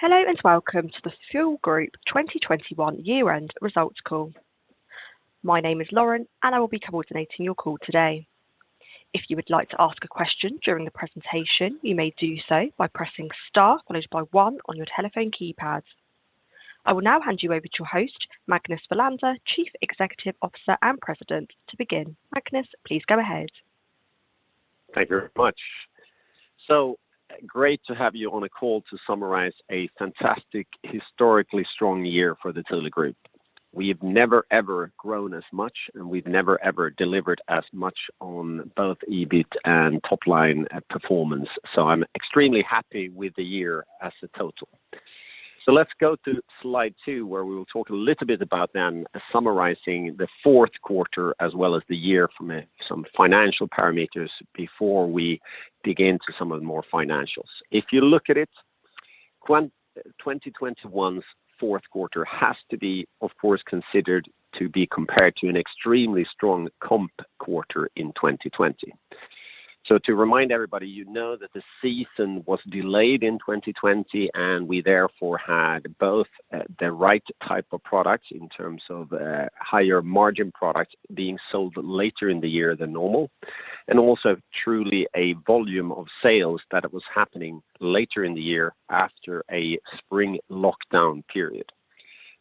Hello and welcome to the Thule Group 2021 year-end results call. My name is Lauren, and I will be coordinating your call today. If you would like to ask a question during the presentation, you may do so by pressing star followed by one on your telephone keypad. I will now hand you over to your host, Magnus Welander, Chief Executive Officer and President, to begin. Magnus, please go ahead. Thank you very much. Great to have you on a call to summarize a fantastic historically strong year for the Thule Group. We've never, ever grown as much, and we've never, ever delivered as much on both EBIT and top-line performance. I'm extremely happy with the year as a total. Let's go to slide two, where we will talk a little bit about then summarizing the fourth quarter as well as the year from some financial parameters before we dig into some of the more financials. If you look at it, 2021's fourth quarter has to be, of course, considered to be compared to an extremely strong comp quarter in 2020. To remind everybody, you know that the season was delayed in 2020, and we therefore had both the right type of product in terms of higher margin product being sold later in the year than normal, and also truly a volume of sales that was happening later in the year after a spring lockdown period.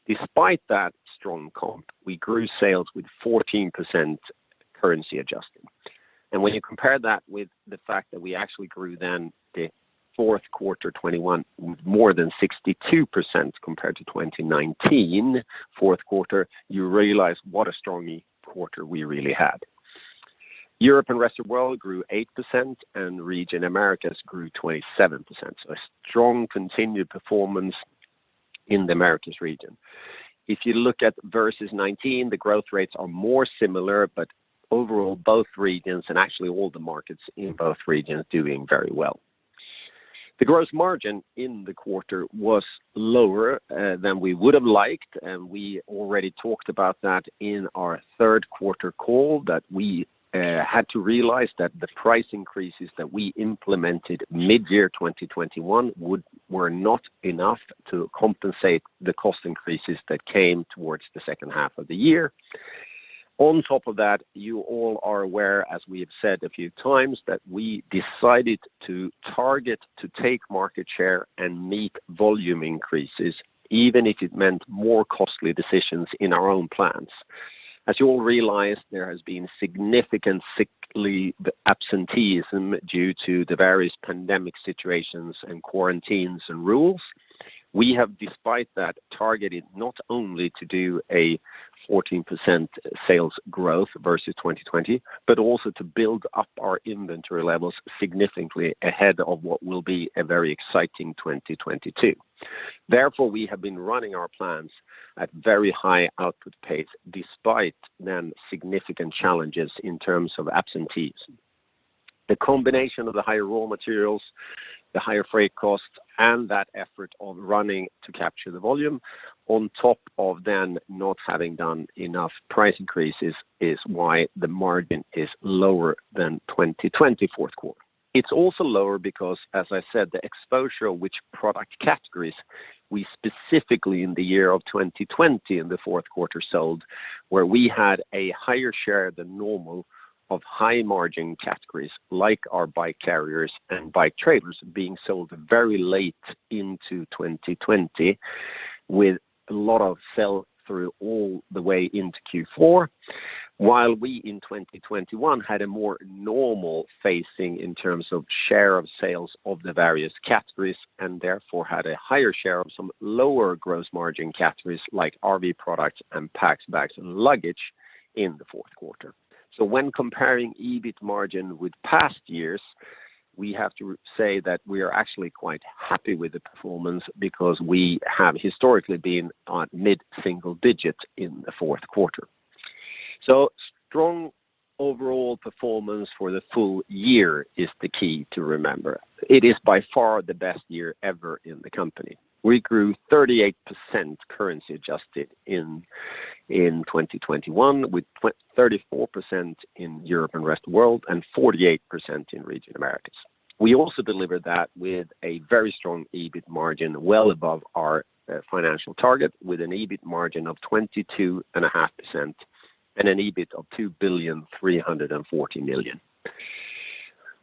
Despite that strong comp, we grew sales with 14% currency adjusted. When you compare that with the fact that we actually grew then the fourth quarter 2021 more than 62% compared to 2019 fourth quarter, you realize what a strong quarter we really had. Europe and Rest of World grew 8% and Region Americas grew 27%. A strong continued performance in the Americas region. If you look at versus 2019, the growth rates are more similar, but overall both regions and actually all the markets in both regions doing very well. The gross margin in the quarter was lower than we would have liked, and we already talked about that in our third quarter call that we had to realize that the price increases that we implemented mid-year 2021 were not enough to compensate the cost increases that came towards the second half of the year. On top of that, you all are aware, as we have said a few times, that we decided to target to take market share and meet volume increases, even if it meant more costly decisions in our own plans. As you all realize, there has been significant sick leave absenteeism due to the various pandemic situations and quarantines and rules. We have, despite that, targeted not only to do a 14% sales growth versus 2020, but also to build up our inventory levels significantly ahead of what will be a very exciting 2022. Therefore, we have been running our plants at very high output pace despite then significant challenges in terms of absences. The combination of the higher raw materials, the higher freight costs and that effort of running to capture the volume on top of then not having done enough price increases is why the margin is lower than 2020 fourth quarter. It's also lower because, as I said, the exposure of which product categories we specifically in the year of 2020 in the fourth quarter sold where we had a higher share than normal of high margin categories like our bike carriers and bike trailers being sold very late into 2020 with a lot of sell through all the way into Q4. While we in 2021 had a more normal facing in terms of share of sales of the various categories and therefore had a higher share of some lower gross margin categories like RV Products and Packs, Bags & Luggage in the fourth quarter. When comparing EBIT margin with past years, we have to say that we are actually quite happy with the performance because we have historically been on mid-single digits in the fourth quarter. Strong overall performance for the full year is the key to remember. It is by far the best year ever in the company. We grew 38% currency adjusted in 2021 with 34% in Europe and Rest of World and 48% in region Americas. We also delivered that with a very strong EBIT margin well above our financial target with an EBIT margin of 22.5% and an EBIT of 2.34 billion.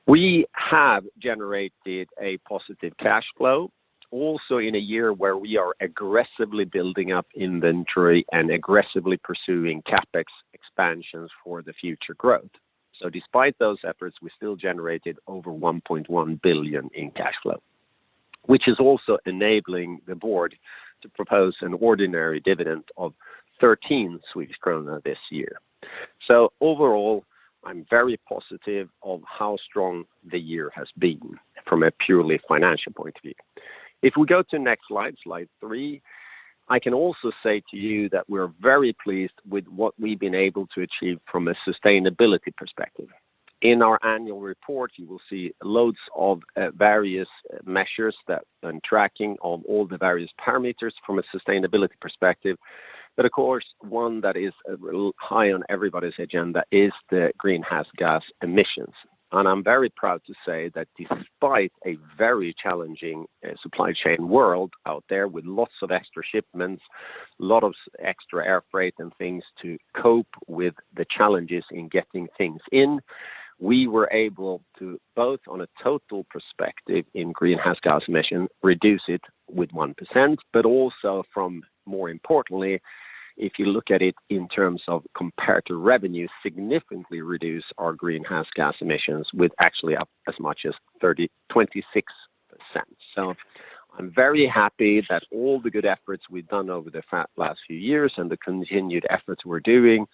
We have generated a positive cash flow also in a year where we are aggressively building up inventory and aggressively pursuing CapEx expansions for the future growth. Despite those efforts, we still generated over 1.1 billion in cash flow, which is also enabling the board to propose an ordinary dividend of 13 Swedish krona this year. Overall, I'm very positive of how strong the year has been from a purely financial point of view. If we go to next slide three, I can also say to you that we're very pleased with what we've been able to achieve from a sustainability perspective. In our annual report, you will see loads of various measures and tracking of all the various parameters from a sustainability perspective. Of course, one that is a little high on everybody's agenda is the greenhouse gas emissions. I'm very proud to say that despite a very challenging supply chain world out there with lots of extra shipments, a lot of extra air freight and things to cope with the challenges in getting things in, we were able to both on a total perspective in greenhouse gas emission, reduce it with 1%, but also from more importantly, if you look at it in terms of compared to revenue, significantly reduce our greenhouse gas emissions with actually up as much as 26%. I'm very happy that all the good efforts we've done over the last few years and the continued efforts we're doing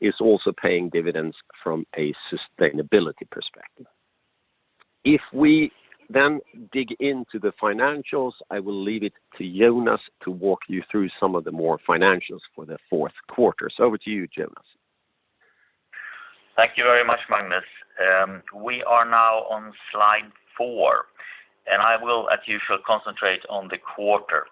is also paying dividends from a sustainability perspective. If we then dig into the financials, I will leave it to Jonas to walk you through some of the more financials for the fourth quarter. Over to you, Jonas. Thank you very much, Magnus. We are now on slide four, and I will, as usual, concentrate on the quarter.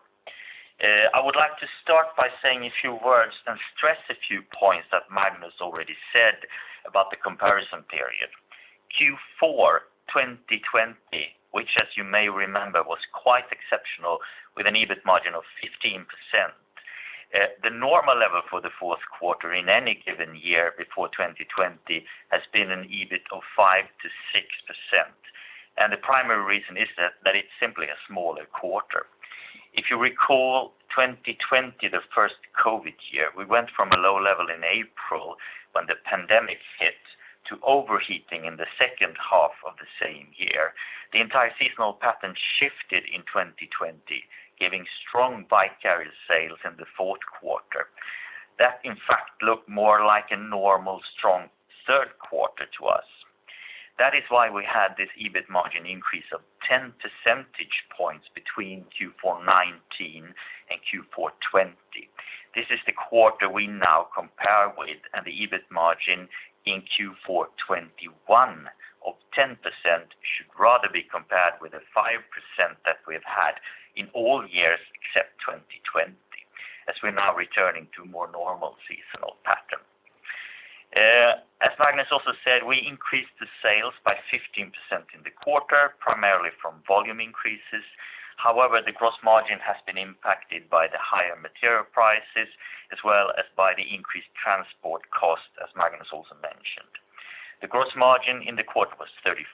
I would like to start by saying a few words and stress a few points that Magnus already said about the comparison period. Q4 2020, which as you may remember, was quite exceptional with an EBIT margin of 15%. The normal level for the fourth quarter in any given year before 2020 has been an EBIT of 5%-6%. The primary reason is that it's simply a smaller quarter. If you recall 2020, the first COVID year, we went from a low level in April when the pandemic hit to overheating in the second half of the same year. The entire seasonal pattern shifted in 2020, giving strong bike carrier sales in the fourth quarter. That in fact looked more like a normal strong third quarter to us. That is why we had this EBIT margin increase of 10 percentage points between Q4 2019 and Q4 2020. This is the quarter we now compare with, and the EBIT margin in Q4 2021 of 10% should rather be compared with the 5% that we've had in all years except 2020, as we're now returning to a more normal seasonal pattern. As Magnus also said, we increased the sales by 15% in the quarter, primarily from volume increases. However, the gross margin has been impacted by the higher material prices as well as by the increased transport cost, as Magnus also mentioned. The gross margin in the quarter was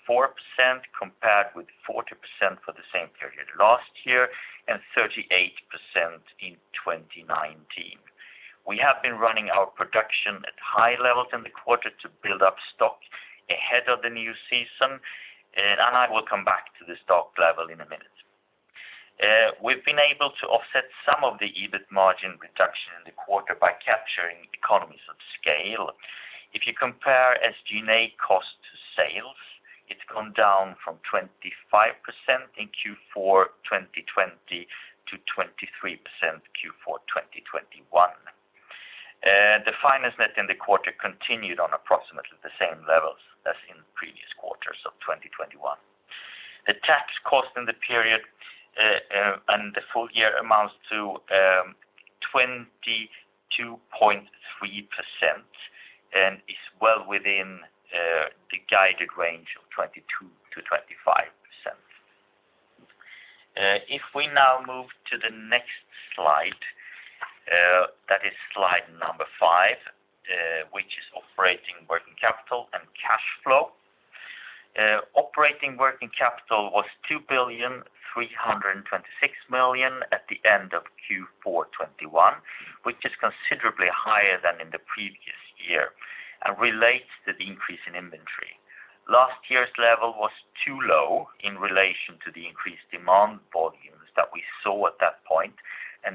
34%, compared with 40% for the same period last year and 38% in 2019. We have been running our production at high levels in the quarter to build up stock ahead of the new season, and I will come back to the stock level in a minute. We've been able to offset some of the EBIT margin reduction in the quarter by capturing economies of scale. If you compare SG&A cost to sales, it's gone down from 25% in Q4 2020 to 23% Q4 2021. The finance net in the quarter continued on approximately the same levels as in previous quarters of 2021. The tax cost in the period and the full year amounts to 22.3% and is well within the guided range of 22%-25%. If we now move to the next slide, that is slide five, which is operating working capital and cash flow. Operating working capital was 2,326 million at the end of Q4 2021, which is considerably higher than in the previous year and relates to the increase in inventory. Last year's level was too low in relation to the increased demand volumes that we saw at that point.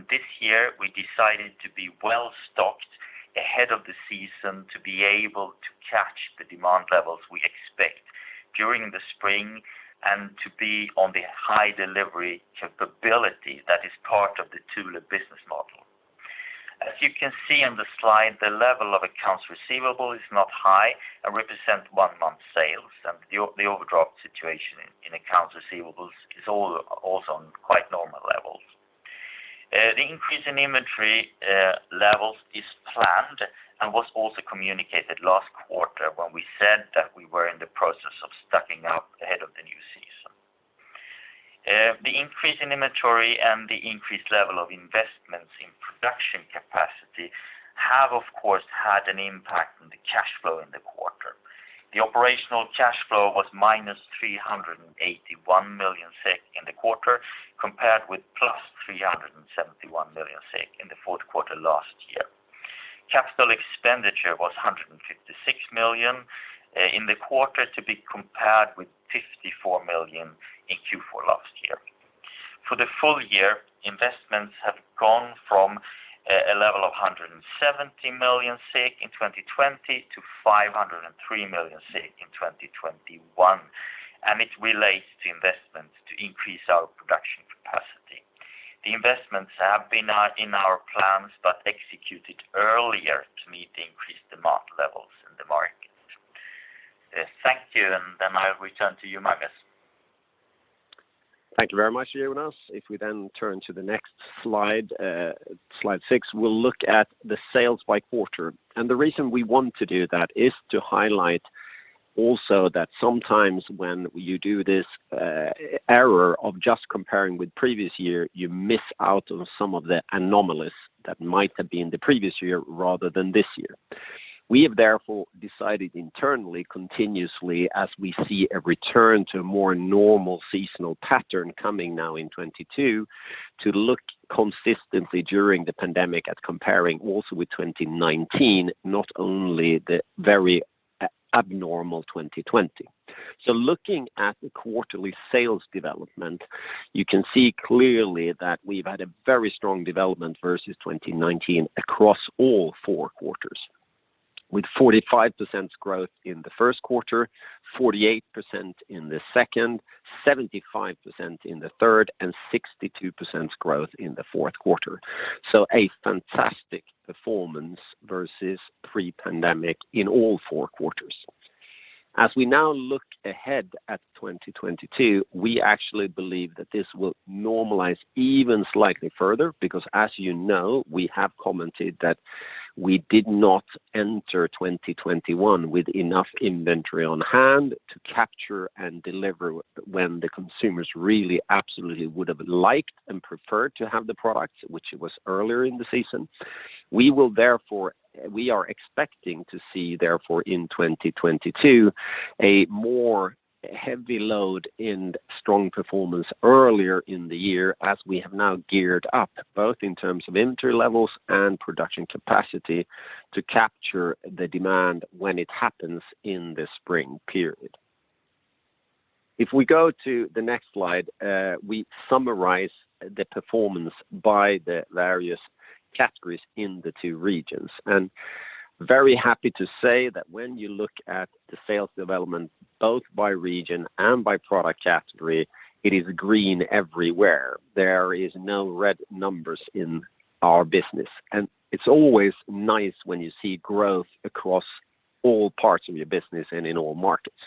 This year, we decided to be well-stocked ahead of the season to be able to catch the demand levels we expect during the spring and to be on the high delivery capability that is part of the Thule business model. As you can see on the slide, the level of accounts receivable is not high and represent one-month sales. The overdraft situation in accounts receivables is also on quite normal levels. The increase in inventory levels is planned and was also communicated last quarter when we said that we were in the process of stocking up ahead of the new season. The increase in inventory and the increased level of investments in production capacity have, of course, had an impact on the cash flow in the quarter. The operational cash flow was -381 million SEK in the quarter, compared with 371 million SEK in the fourth quarter last year. Capital expenditure was 156 million in the quarter to be compared with 54 million in Q4 last year. For the full year, investments have gone from a level of 170 million in 2020 to 503 million in 2021, and it relates to investments to increase our production capacity. The investments have been in our plans but executed earlier. Return to you, Magnus. Thank you very much, Jonas. If we then turn to the next slide 6, we'll look at the sales by quarter. The reason we want to do that is to highlight also that sometimes when you do this, era of just comparing with previous year, you miss out on some of the anomalies that might have been the previous year rather than this year. We have therefore decided internally, continuously, as we see a return to a more normal seasonal pattern coming now in 2022, to look consistently during the pandemic at comparing also with 2019, not only the very abnormal 2020. Looking at the quarterly sales development, you can see clearly that we've had a very strong development versus 2019 across all four quarters, with 45% growth in the first quarter, 48% in the second, 75% in the third, and 62% growth in the fourth quarter. A fantastic performance versus pre-pandemic in all four quarters. As we now look ahead at 2022, we actually believe that this will normalize even slightly further because as you know, we have commented that we did not enter 2021 with enough inventory on hand to capture and deliver when the consumers really absolutely would have liked and preferred to have the product, which it was earlier in the season. We are expecting to see, therefore, in 2022, a more heavy load in strong performance earlier in the year as we have now geared up, both in terms of inventory levels and production capacity to capture the demand when it happens in the spring period. If we go to the next slide, we summarize the performance by the various categories in the two regions. Very happy to say that when you look at the sales development, both by region and by product category, it is green everywhere. There is no red numbers in our business. It's always nice when you see growth across all parts of your business and in all markets.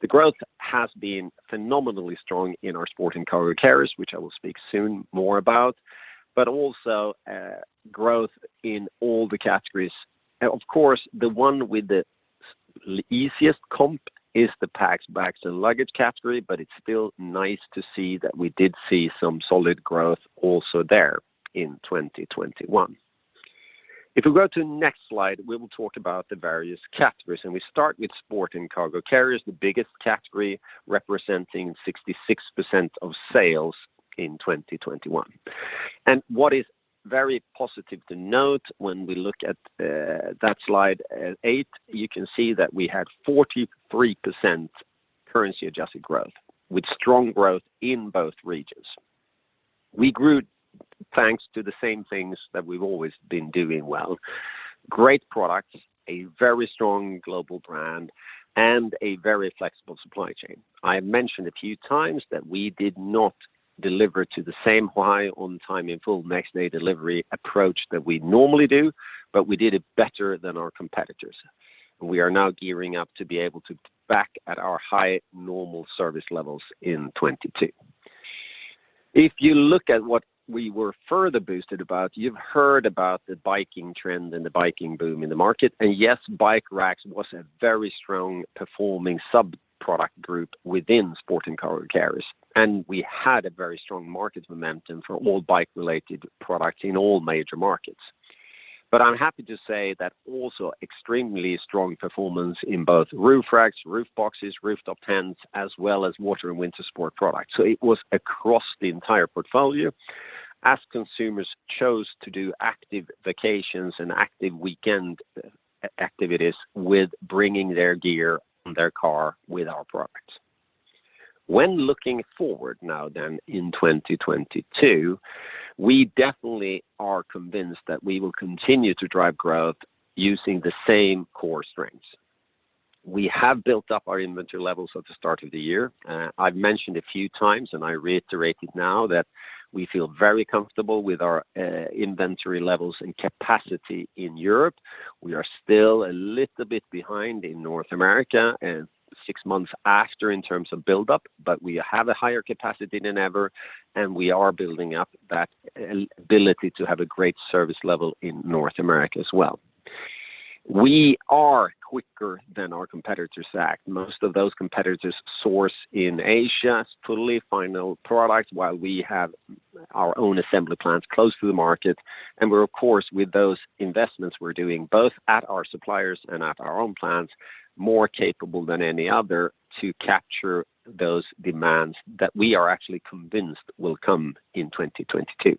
The growth has been phenomenally strong in our Sport and Cargo Carriers, which I will speak soon more about, but also, growth in all the categories. Of course, the one with the easiest comp is the Packs, Bags & Luggage category, but it's still nice to see that we did see some solid growth also there in 2021. If we go to the next slide, we will talk about the various categories, and we start with Sport & Cargo Carriers, the biggest category representing 66% of sales in 2021. What is very positive to note when we look at that slide, eight, you can see that we had 43% currency adjusted growth with strong growth in both regions. We grew thanks to the same things that we've always been doing well. Great products, a very strong global brand, and a very flexible supply chain. I mentioned a few times that we did not deliver to the same high on time in full next day delivery approach that we normally do, but we did it better than our competitors. We are now gearing up to be able to back at our high normal service levels in 2022. If you look at what we were further boosted about, you've heard about the biking trend and the biking boom in the market. Yes, bike racks was a very strong performing subproduct group within Sport & Cargo Carriers. We had a very strong market momentum for all bike related products in all major markets. I'm happy to say that also extremely strong performance in both roof racks, roof boxes, rooftop tents, as well as water and winter sport products. It was across the entire portfolio as consumers chose to do active vacations and active weekend activities with bringing their gear in their car with our products. When looking forward now then in 2022, we definitely are convinced that we will continue to drive growth using the same core strengths. We have built up our inventory levels at the start of the year. I've mentioned a few times, and I reiterate it now that we feel very comfortable with our inventory levels and capacity in Europe. We are still a little bit behind in North America and six months after in terms of build-up, but we have a higher capacity than ever, and we are building up that ability to have a great service level in North America as well. We are quicker than our competitors act. Most of those competitors source in Asia, it's totally final product while we have our own assembly plants close to the market. We're, of course, with those investments we're doing both at our suppliers and at our own plants, more capable than any other to capture those demands that we are actually convinced will come in 2022.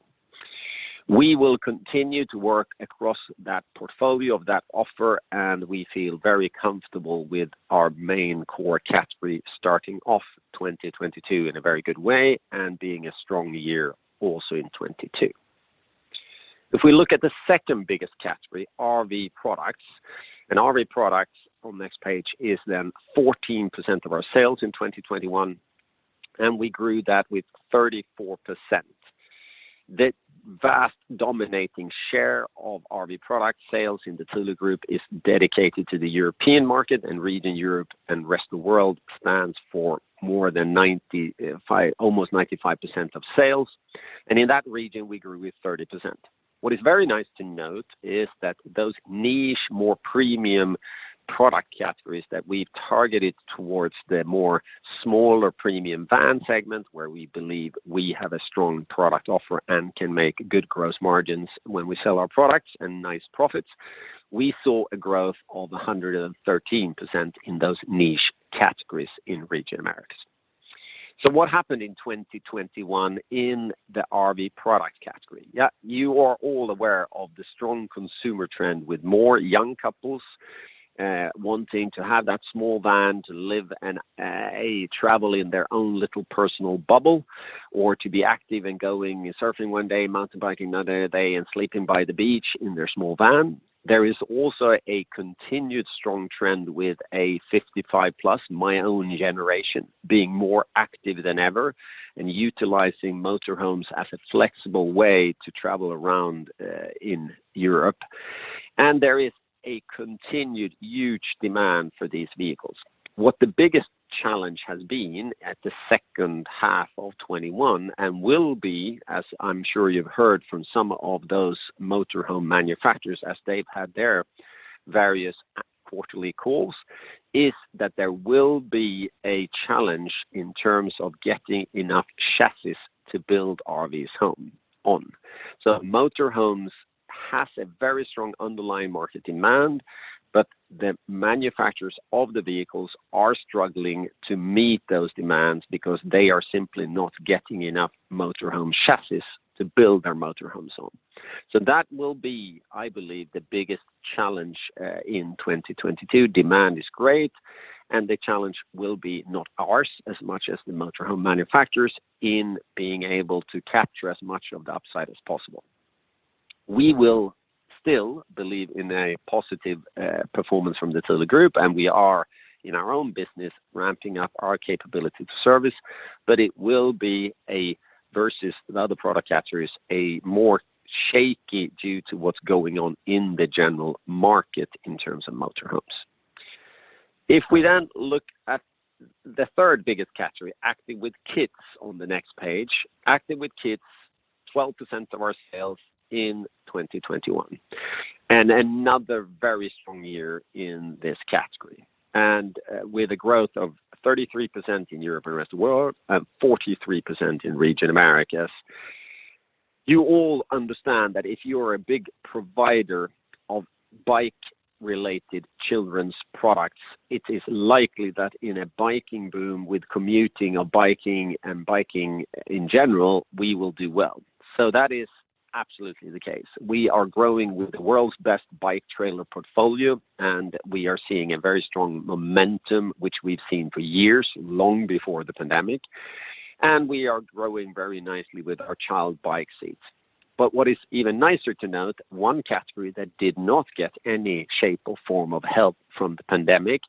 We will continue to work across that portfolio of that offer, and we feel very comfortable with our main core category starting off 2022 in a very good way and being a strong year also in 2022. If we look at the second biggest category, RV Products. RV Products on this page is then 14% of our sales in 2021, and we grew that with 34%. The vast dominating share of RV product sales in the Thule Group is dedicated to the European market, and Region Europe and Rest of the World stands for more than 95% of sales. In that region, we grew with 30%. What is very nice to note is that those niche, more premium product categories that we've targeted towards the more smaller premium van segment, where we believe we have a strong product offer and can make good gross margins when we sell our products and nice profits, we saw a growth of 113% in those niche categories in Region Americas. What happened in 2021 in the RV product category? Yeah, you are all aware of the strong consumer trend with more young couples wanting to have that small van to live and travel in their own little personal bubble or to be active and going surfing one day, mountain biking another day, and sleeping by the beach in their small van. There is also a continued strong trend with a 55+, my own generation, being more active than ever and utilizing motor homes as a flexible way to travel around in Europe. There is a continued huge demand for these vehicles. What the biggest challenge has been at the second half of 2021 and will be, as I'm sure you've heard from some of those motor home manufacturers as they've had their various quarterly calls, is that there will be a challenge in terms of getting enough chassis to build RVs on. Motor homes has a very strong underlying market demand, but the manufacturers of the vehicles are struggling to meet those demands because they are simply not getting enough motor home chassis to build their motor homes on. That will be, I believe, the biggest challenge in 2022. Demand is great, and the challenge will be not ours as much as the motor home manufacturers in being able to capture as much of the upside as possible. We will still believe in a positive performance from the Thule Group, and we are in our own business ramping up our capability to service. But it will be a versus the other product categories, a more shaky due to what's going on in the general market in terms of motor homes. If we then look at the third biggest category, Active with Kids on the next page. Active with Kids, 12% of our sales in 2021, and another very strong year in this category. With a growth of 33% in Europe and the rest of world, and 43% in region Americas. You all understand that if you're a big provider of bike related children's products, it is likely that in a biking boom with commuting or biking and biking in general, we will do well. That is absolutely the case. We are growing with the world's best bike trailer portfolio, and we are seeing a very strong momentum, which we've seen for years, long before the pandemic. We are growing very nicely with our child bike seats. What is even nicer to note, one category that did not get any shape or form of help from the pandemic,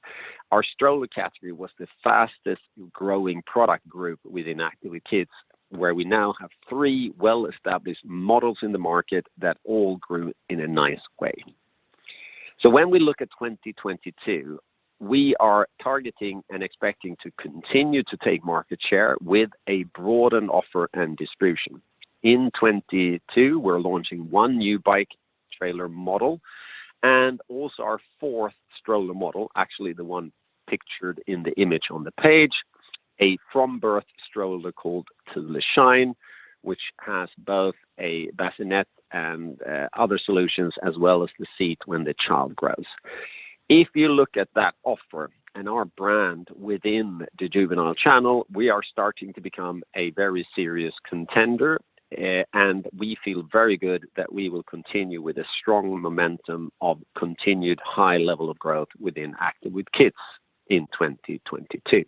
our stroller category was the fastest growing product group within Active with Kids, where we now have three well-established models in the market that all grew in a nice way. When we look at 2022, we are targeting and expecting to continue to take market share with a broadened offer and distribution. In 2022, we're launching one new bike trailer model and also our fourth stroller model, actually the one pictured in the image on the page, a from birth stroller called Thule Shine, which has both a bassinet and other solutions as well as the seat when the child grows. If you look at that offer and our brand within the juvenile channel, we are starting to become a very serious contender, and we feel very good that we will continue with a strong momentum of continued high level of growth within Active with Kids in 2022.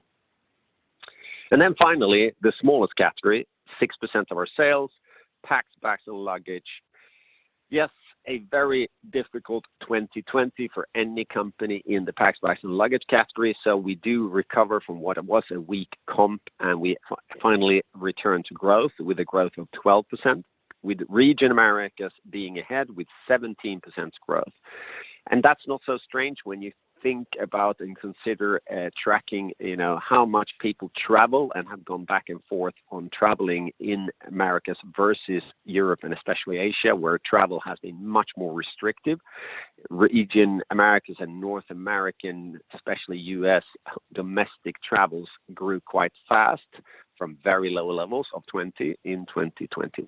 Finally, the smallest category, 6% of our sales, Packs, Bags & Luggage. Yes, a very difficult 2020 for any company in the Packs, Bags & Luggage category. We do recover from what was a weak comp, and we finally return to growth with a growth of 12%, with region Americas being ahead with 17% growth. That's not so strange when you think about and consider tracking, you know, how much people travel and have gone back and forth on traveling in Americas versus Europe and especially Asia, where travel has been much more restrictive. Region Americas and North America, especially U.S. domestic travel grew quite fast from very low levels of 2020 in 2021.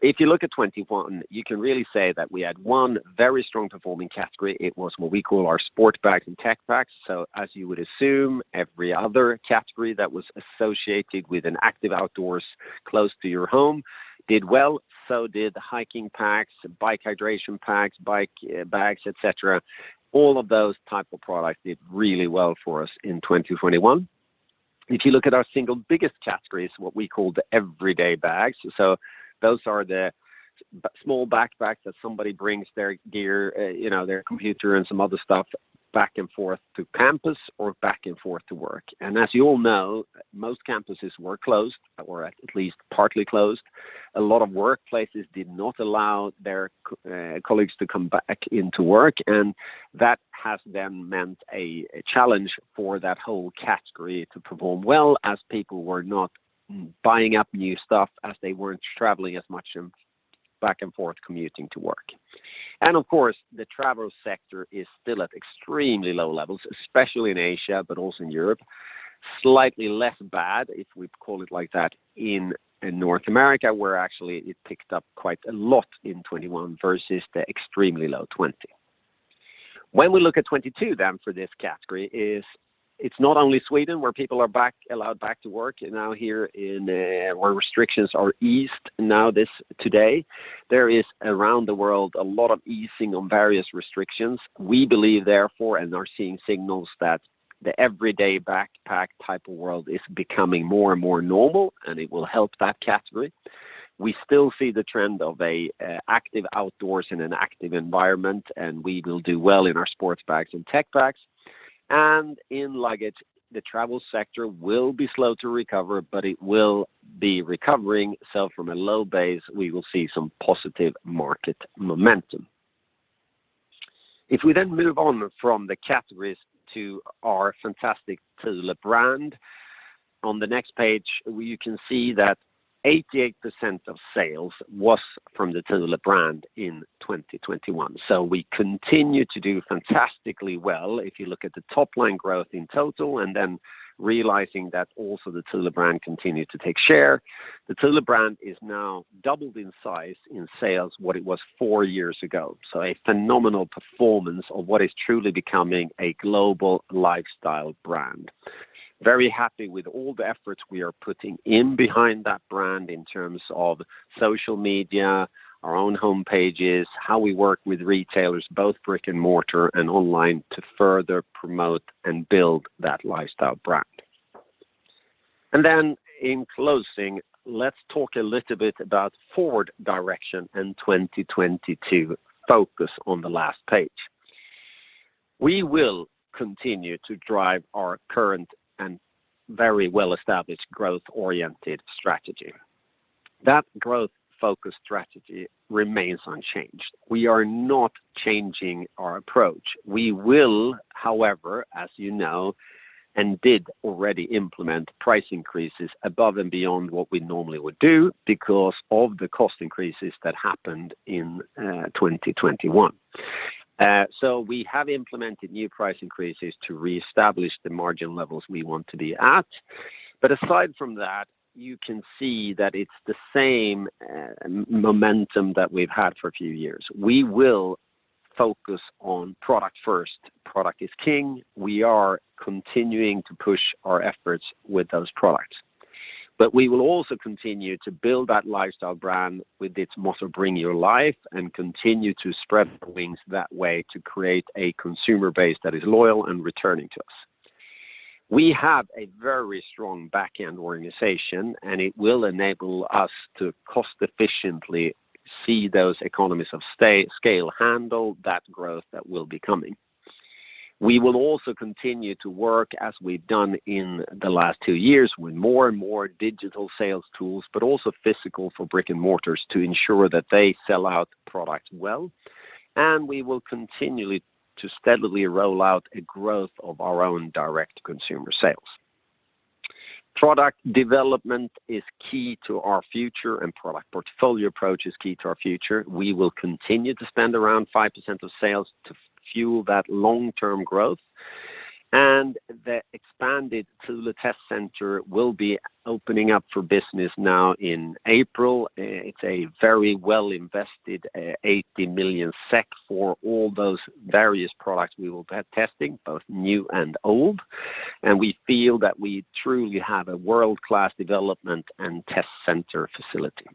If you look at 2021, you can really say that we had one very strong performing category. It was what we call our sports bags and tech packs. As you would assume, every other category that was associated with an active outdoors close to your home did well, so did hiking packs, bike hydration packs, bike bags, etc. All of those type of products did really well for us in 2021. If you look at our single biggest category, it's what we call the everyday bags. Those are small backpacks that somebody brings their gear, you know, their computer and some other stuff back and forth to campus or back and forth to work. As you all know, most campuses were closed or at least partly closed. A lot of workplaces did not allow their colleagues to come back into work, and that has then meant a challenge for that whole category to perform well as people were not buying up new stuff as they weren't traveling as much back and forth commuting to work. Of course, the travel sector is still at extremely low levels, especially in Asia, but also in Europe. Slightly less bad, if we call it like that, in North America, where actually it picked up quite a lot in 2021 versus the extremely low 2020. When we look at 2022 then for this category, it's not only Sweden where people are allowed back to work now here in where restrictions are eased now as of today, there is around the world a lot of easing on various restrictions. We believe therefore, and are seeing signals that the everyday backpack type of world is becoming more and more normal, and it will help that category. We still see the trend of a active outdoors in an active environment, and we will do well in our sports bags and tech packs. In luggage, the travel sector will be slow to recover, but it will be recovering. From a low base, we will see some positive market momentum. If we then move on from the categories to our fantastic Thule brand, on the next page, you can see that 88% of sales was from the Thule brand in 2021. We continue to do fantastically well. If you look at the top line growth in total and then realizing that also the Thule brand continued to take share. The Thule brand is now doubled in size in sales from what it was four years ago. A phenomenal performance of what is truly becoming a global lifestyle brand. Very happy with all the efforts we are putting in behind that brand in terms of social media, our own home pages, how we work with retailers, both brick and mortar and online, to further promote and build that lifestyle brand. In closing, let's talk a little bit about forward direction in 2022. Focus on the last page. We will continue to drive our current and very well-established growth-oriented strategy. That growth-focused strategy remains unchanged. We are not changing our approach. We will, however, as you know, and did already implement price increases above and beyond what we normally would do because of the cost increases that happened in 2021. So we have implemented new price increases to reestablish the margin levels we want to be at. Aside from that, you can see that it's the same momentum that we've had for a few years. We will focus on product first. Product is king. We are continuing to push our efforts with those products. We will also continue to build that lifestyle brand with its motto, "Bring your life," and continue to spread wings that way to create a consumer base that is loyal and returning to us. We have a very strong back-end organization, and it will enable us to cost efficiently, see those economies of scale, handle that growth that will be coming. We will also continue to work as we've done in the last two years with more and more digital sales tools, but also physical for brick and mortars to ensure that they sell our product well. We will continue to steadily roll out a growth of our own direct consumer sales. Product Development is key to our future and product portfolio approach is key to our future. We will continue to spend around 5% of sales to fuel that long-term growth. The expanded Thule Test Center will be opening up for business now in April. It's a very well-invested 80 million SEK for all those various products we will be testing, both new and old. We feel that we truly have a world-class development and test center facility.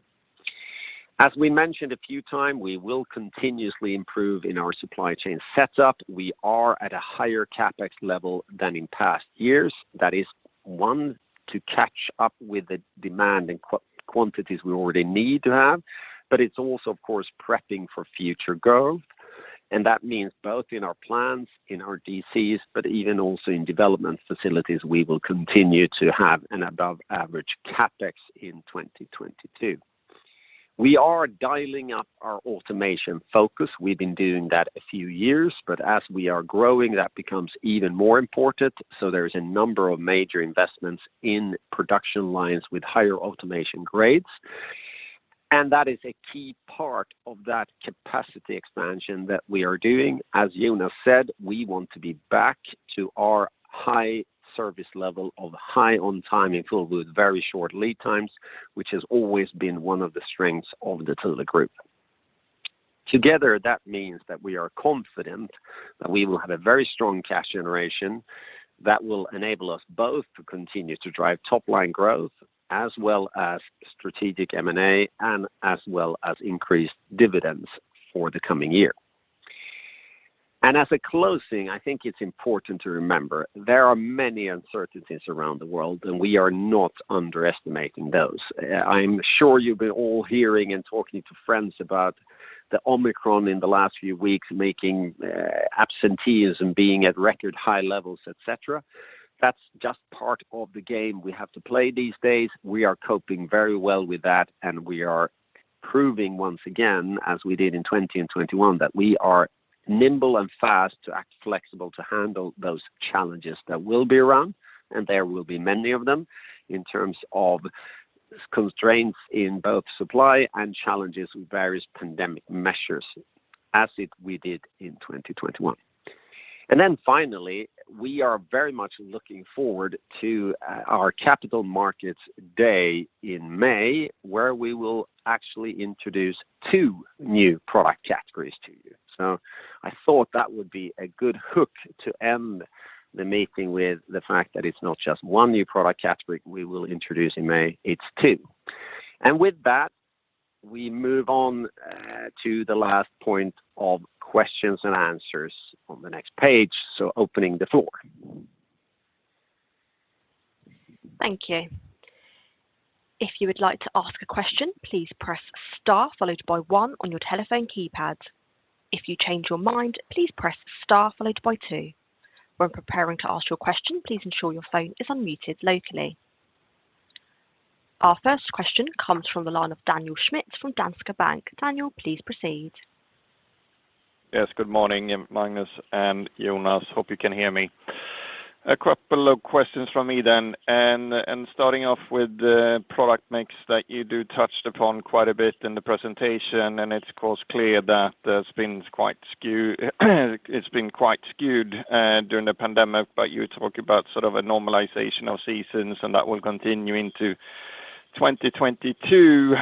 As we mentioned a few times, we will continuously improve in our supply chain setup. We are at a higher CapEx level than in past years. That is one to catch up with the demand and quantities we already need to have, but it's also of course prepping for future growth. That means both in our plants, in our DCs, but even also in development facilities, we will continue to have an above average CapEx in 2022. We are dialing up our automation focus. We've been doing that a few years, but as we are growing, that becomes even more important. There's a number of major investments in production lines with higher automation grades. That is a key part of that capacity expansion that we are doing. As Jonas said, we want to be back to our high service level of high on time in full with very short lead times, which has always been one of the strengths of the Thule Group. Together, that means that we are confident that we will have a very strong cash generation that will enable us both to continue to drive top-line growth as well as strategic M&A and as well as increased dividends for the coming year. As a closing, I think it's important to remember there are many uncertainties around the world, and we are not underestimating those. I'm sure you've been all hearing and talking to friends about the Omicron in the last few weeks, making absenteeism being at record high levels, etc. That's just part of the game we have to play these days. We are coping very well with that, and we are proving once again, as we did in 2020 and 2021, that we are nimble and fast to act flexible to handle those challenges that will be around, and there will be many of them in terms of constraints in both supply and challenges with various pandemic measures as we did in 2021. Finally, we are very much looking forward to our Capital Markets Day in May, where we will actually introduce two new product categories to you. I thought that would be a good hook to end the meeting with the fact that it's not just one new product category we will introduce in May, it's two. With that, we move on to the last point of questions and answers on the next page. Opening the floor. Thank you. Our first question comes from the line of Daniel Schmidt from Danske Bank. Daniel, please proceed. Yes, good morning, Magnus and Jonas. Hope you can hear me. A couple of questions from me then. Starting off with the product mix that you touched upon quite a bit in the presentation, it's of course clear that it's been quite skewed during the pandemic, but you talk about sort of a normalization of seasons, and that will continue into 2022.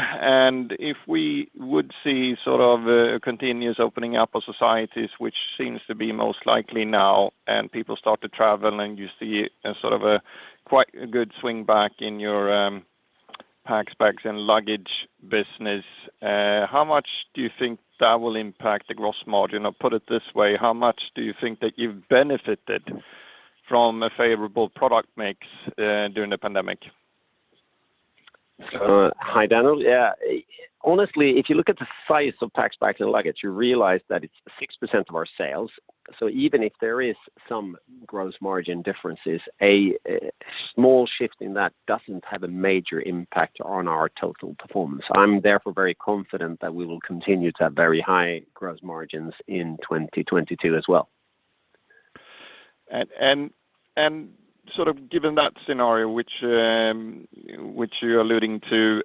If we would see sort of a continuous opening up of societies, which seems to be most likely now, and people start to travel, and you see quite a good swing back in your Packs, Bags & Luggage business, how much do you think that will impact the gross margin? Put it this way, how much do you think that you've benefited from a favorable product mix, during the pandemic? Hi, Daniel. Yeah. Honestly, if you look at the size of Packs, Bags & Luggage, you realize that it's 6% of our sales. Even if there is some gross margin differences, a small shift in that doesn't have a major impact on our total performance. I'm therefore very confident that we will continue to have very high gross margins in 2022 as well. Sort of given that scenario, which you're alluding to,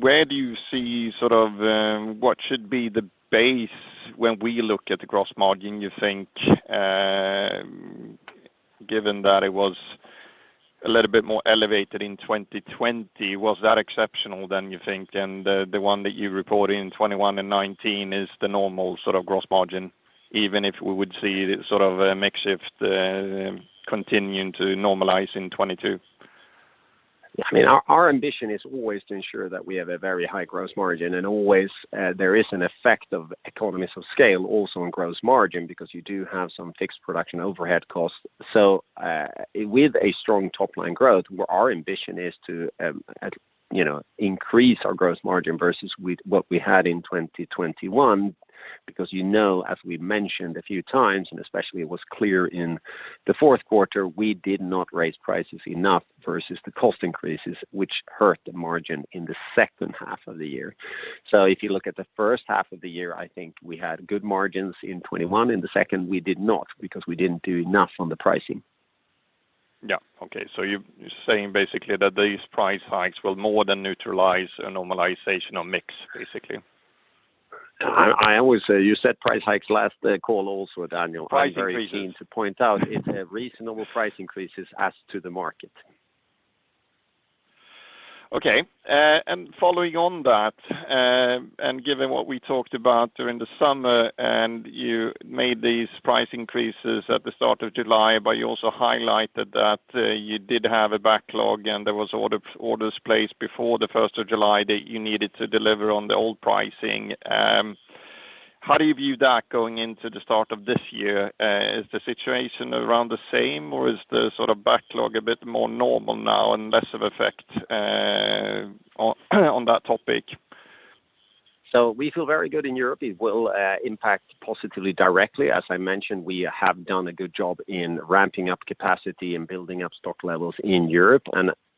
where do you see sort of what should be the base when we look at the gross margin? You think, given that it was a little bit more elevated in 2020, was that exceptional, do you think? The one that you report in 2021 and 2019 is the normal sort of gross margin, even if we would see sort of a mix shift continuing to normalize in 2022? I mean, our ambition is always to ensure that we have a very high gross margin. Always, there is an effect of economies of scale also on gross margin because you do have some fixed production overhead costs. With a strong top-line growth, our ambition is to you know, increase our gross margin versus with what we had in 2021, because you know, as we mentioned a few times, and especially it was clear in the fourth quarter, we did not raise prices enough versus the cost increases, which hurt the margin in the second half of the year. If you look at the first half of the year, I think we had good margins in 2021. In the second, we did not because we didn't do enough on the pricing. Yeah. Okay. You're saying basically that these price hikes will more than neutralize a normalization on mix, basically? I always say you said price hikes last call also, Daniel. Price increases. I'm very keen to point out it's reasonable price increases as to the market. Okay. Following on that, given what we talked about during the summer, you made these price increases at the start of July, but you also highlighted that you did have a backlog and there was orders placed before the first of July that you needed to deliver on the old pricing. How do you view that going into the start of this year? Is the situation around the same or is the sort of backlog a bit more normal now and less of effect on that topic? We feel very good in Europe. It will impact positively directly. As I mentioned, we have done a good job in ramping up capacity and building up stock levels in Europe.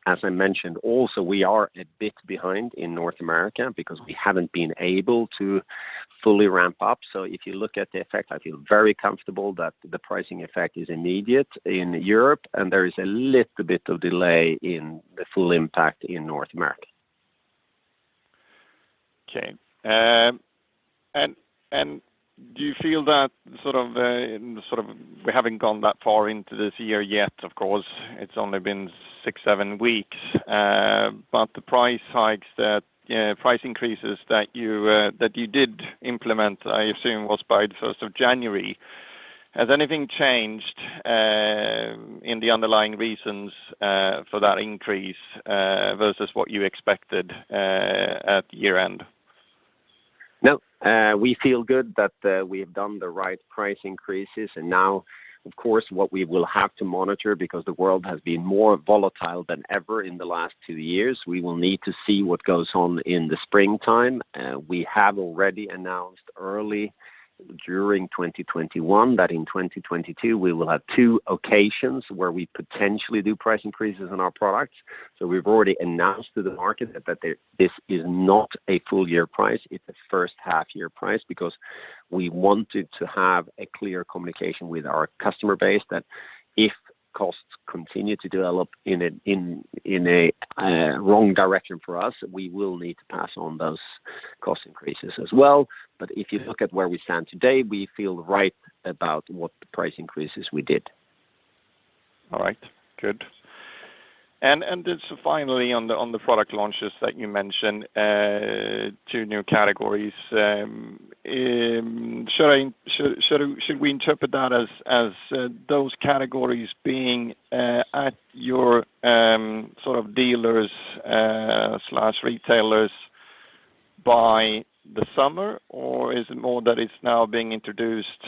As I mentioned also, we are a bit behind in North America because we haven't been able to fully ramp up. If you look at the effect, I feel very comfortable that the pricing effect is immediate in Europe, and there is a little bit of delay in the full impact in North America. Okay. Do you feel that sort of we haven't gone that far into this year yet, of course, it's only been six to seven weeks, but the price increases that you did implement, I assume, was by the 1st of January. Has anything changed in the underlying reasons for that increase versus what you expected at year-end? We feel good that we have done the right price increases. Now, of course, what we will have to monitor because the world has been more volatile than ever in the last two years, we will need to see what goes on in the springtime. We have already announced early during 2021 that in 2022 we will have two occasions where we potentially do price increases on our products. We've already announced to the market that this is not a full year price, it's a first half year price because we wanted to have a clear communication with our customer base that if costs continue to develop in a wrong direction for us, we will need to pass on those cost increases as well. If you look at where we stand today, we feel right about what the price increases we did. All right. Good. Just finally on the product launches that you mentioned, two new categories. Should we interpret that as those categories being at your sort of dealers slash retailers by the summer? Or is it more that it's now being introduced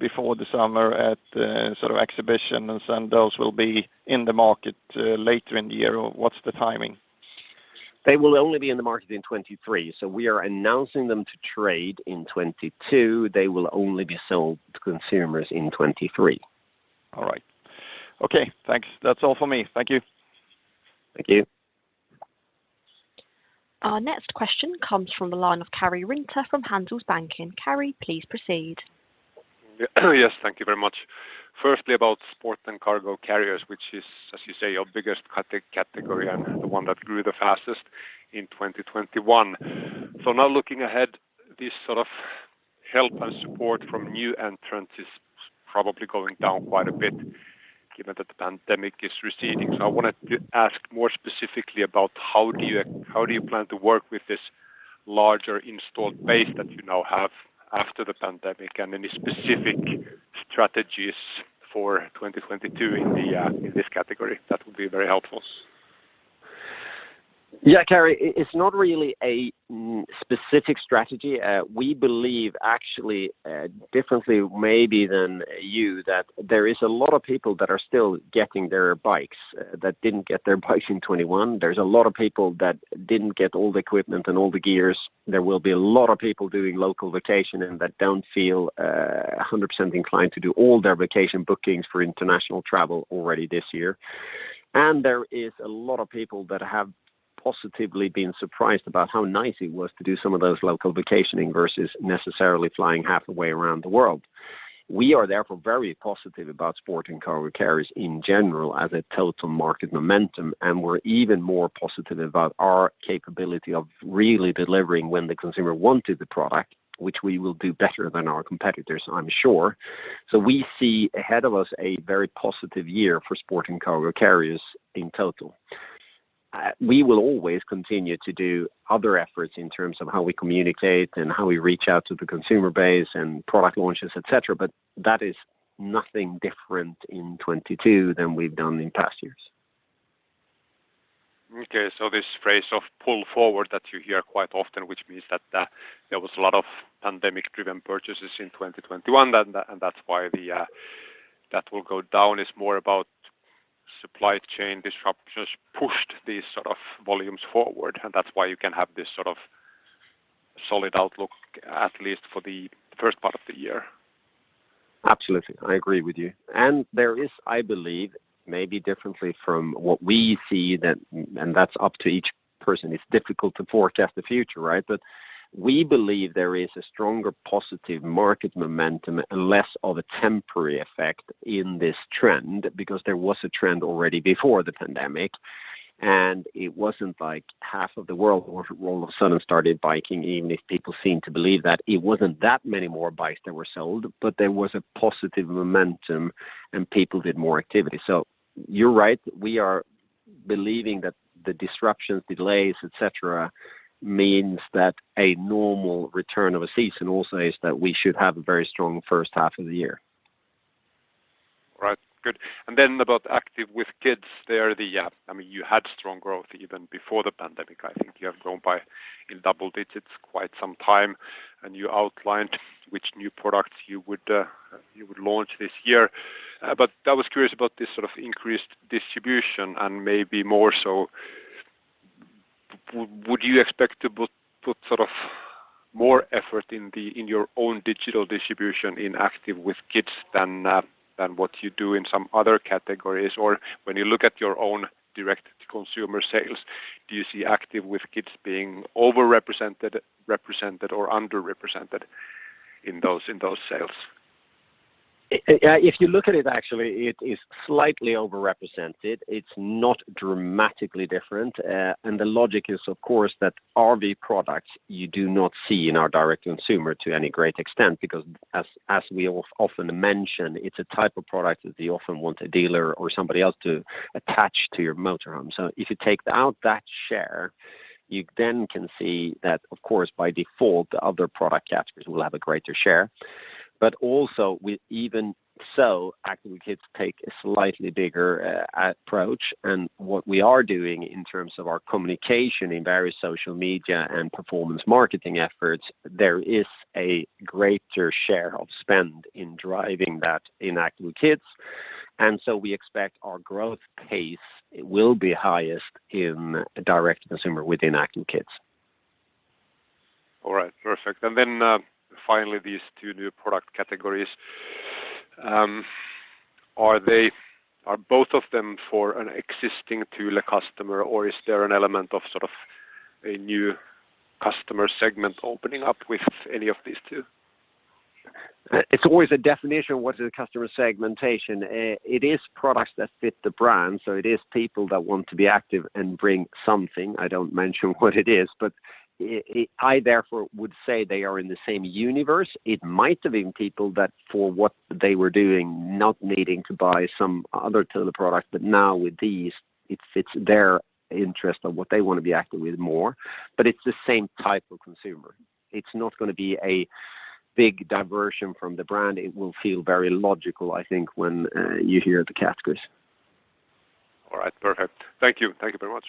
before the summer at sort of exhibitions, and those will be in the market later in the year? Or what's the timing? They will only be in the market in 2023, so we are announcing them to trade in 2022. They will only be sold to consumers in 2023. All right. Okay. Thanks. That's all for me. Thank you. Thank you. Our next question comes from the line of Karri Rinta from Handelsbanken. Karri, please proceed. Yes. Thank you very much. Firstly, about Sport and Cargo Carriers, which is, as you say, your biggest category and the one that grew the fastest in 2021. Now looking ahead, this sort of help and support from new entrants is probably going down quite a bit given that the pandemic is receding. I wanted to ask more specifically about how do you plan to work with this larger installed base that you now have after the pandemic and any specific strategies for 2022 in this category? That would be very helpful. Yeah, Karri, it's not really a specific strategy. We believe actually differently maybe than you that there is a lot of people that are still getting their bikes that didn't get their bikes in 2021. There's a lot of people that didn't get all the equipment and all the gears. There will be a lot of people doing local vacation and that don't feel 100% inclined to do all their vacation bookings for international travel already this year. There is a lot of people that have positively been surprised about how nice it was to do some of those local vacationing versus necessarily flying half the way around the world. We are therefore very positive about Sport & Cargo Carriers in general as a total market momentum, and we're even more positive about our capability of really delivering when the consumer wanted the product, which we will do better than our competitors, I'm sure. We see ahead of us a very positive year for Sport & Cargo Carriers in total. We will always continue to do other efforts in terms of how we communicate and how we reach out to the consumer base and product launches, etc. That is nothing different in 2022 than we've done in past years. Okay. This phrase of pull forward that you hear quite often, which means that there was a lot of pandemic-driven purchases in 2021 and that's why they will go down is more about supply chain disruptions pushed these sort of volumes forward, and that's why you can have this sort of solid outlook, at least for the first part of the year. Absolutely. I agree with you. There is, I believe, maybe differently from what we see then, and that's up to each person. It's difficult to forecast the future, right? We believe there is a stronger positive market momentum and less of a temporary effect in this trend because there was a trend already before the pandemic, and it wasn't like half of the world all of a sudden started biking even if people seem to believe that it wasn't that many more bikes that were sold. There was a positive momentum, and people did more activity. You're right, we are believing that the disruptions, delays, etc. means that a normal return of a season also is that we should have a very strong first half of the year. Right. Good. Then about Active with Kids, I mean you had strong growth even before the pandemic. I think you have grown in double digits quite some time, and you outlined which new products you would launch this year. But I was curious about this sort of increased distribution and maybe more so would you expect to put sort of more effort in your own digital distribution in Active with Kids than what you do in some other categories? Or when you look at your own direct to consumer sales, do you see Active with Kids being over-represented or underrepresented in those sales? Yeah, if you look at it, actually it is slightly overrepresented. It's not dramatically different. The logic is of course, that RV Products you do not see in our direct-to-consumer to any great extent because as we often mention, it's a type of product that they often want a dealer or somebody else to attach to your motor home. If you take out that share, you then can see that of course, by default, the other product categories will have a greater share. Also with even so, Active with Kids take a slightly bigger approach. What we are doing in terms of our communication in various social media and performance marketing efforts, there is a greater share of spend in driving that in Active with Kids. We expect our growth pace will be highest in direct-to-consumer within Active with Kids. All right. Perfect. Then, finally, these two new product categories, are both of them for an existing Thule customer, or is there an element of sort of a new customer segment opening up with any of these two? It's always a definition, what is the customer segmentation. It is products that fit the brand, so it is people that want to be active and bring something. I don't mention what it is, but I therefore would say they are in the same universe. It might have been people that for what they were doing, not needing to buy some other Thule product, but now with these, it fits their interest of what they want to be active with more. But it's the same type of consumer. It's not going to be a big diversion from the brand. It will feel very logical, I think, when you hear the categories. All right. Perfect. Thank you. Thank you very much.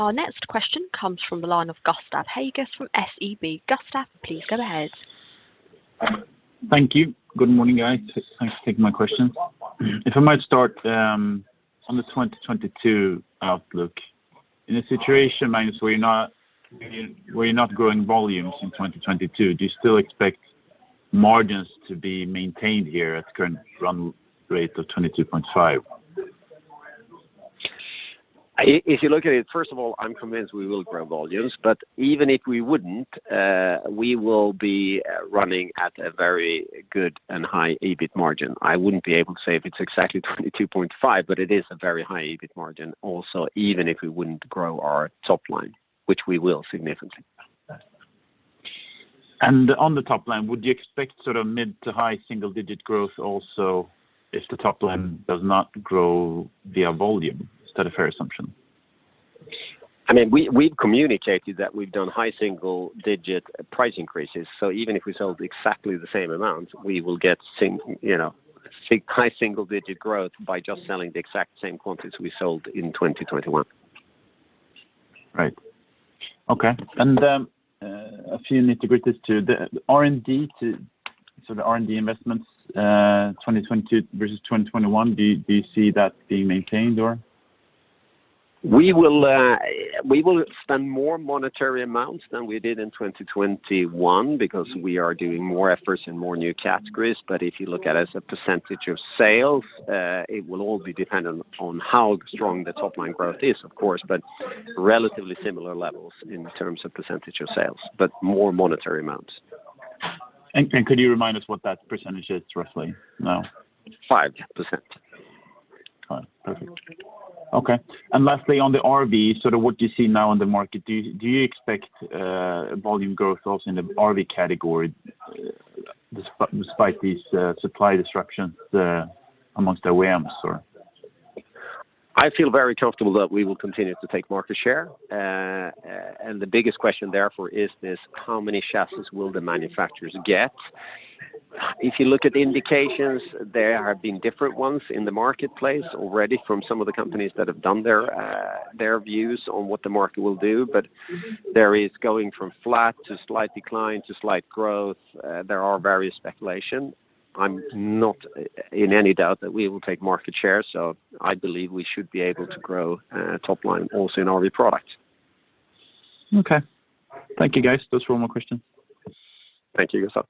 Our next question comes from the line of Gustav Hagéus from SEB. Gustav, please go ahead. Thank you. Good morning, guys. Thanks for taking my question. If I might start on the 2022 outlook. In a situation where you're not growing volumes in 2022, do you still expect margins to be maintained here at current run rate of 22.5%? If you look at it, first of all, I'm convinced we will grow volumes. Even if we wouldn't, we will be running at a very good and high EBIT margin. I wouldn't be able to say if it's exactly 22.5%, but it is a very high EBIT margin also, even if we wouldn't grow our top line, which we will significantly. On the top line, would you expect sort of mid to high single-digit growth also if the top line does not grow via volume? Is that a fair assumption? I mean, we've communicated that we've done high single digit price increases. Even if we sold exactly the same amount, we will get you know, high single digit growth by just selling the exact same quantities we sold in 2021. Right. Okay. A few nitty-gritties to the R&D, so the R&D investments, 2022 versus 2021, do you see that being maintained or? We will spend more monetary amounts than we did in 2021 because we are doing more efforts in more new categories. If you look at it as a percentage of sales, it will all be dependent on how strong the top line growth is, of course, but relatively similar levels in terms of percentage of sales, but more monetary amounts. Could you remind us what that percentage is roughly now? 5%. 5%. Perfect. Okay. Lastly, on the RV, so what you see now in the market, do you expect volume growth also in the RV category despite these supply disruptions amongst the OEMs, or? I feel very comfortable that we will continue to take market share. The biggest question, therefore, is this, how many chassis will the manufacturers get? If you look at the indications, there have been different ones in the marketplace already from some of the companies that have done their views on what the market will do. There is going from flat to slight decline to slight growth. There are various speculation. I'm not in any doubt that we will take market share, so I believe we should be able to grow top line also in RV Products. Okay. Thank you, guys. Those were all my question. Thank you, Gustav.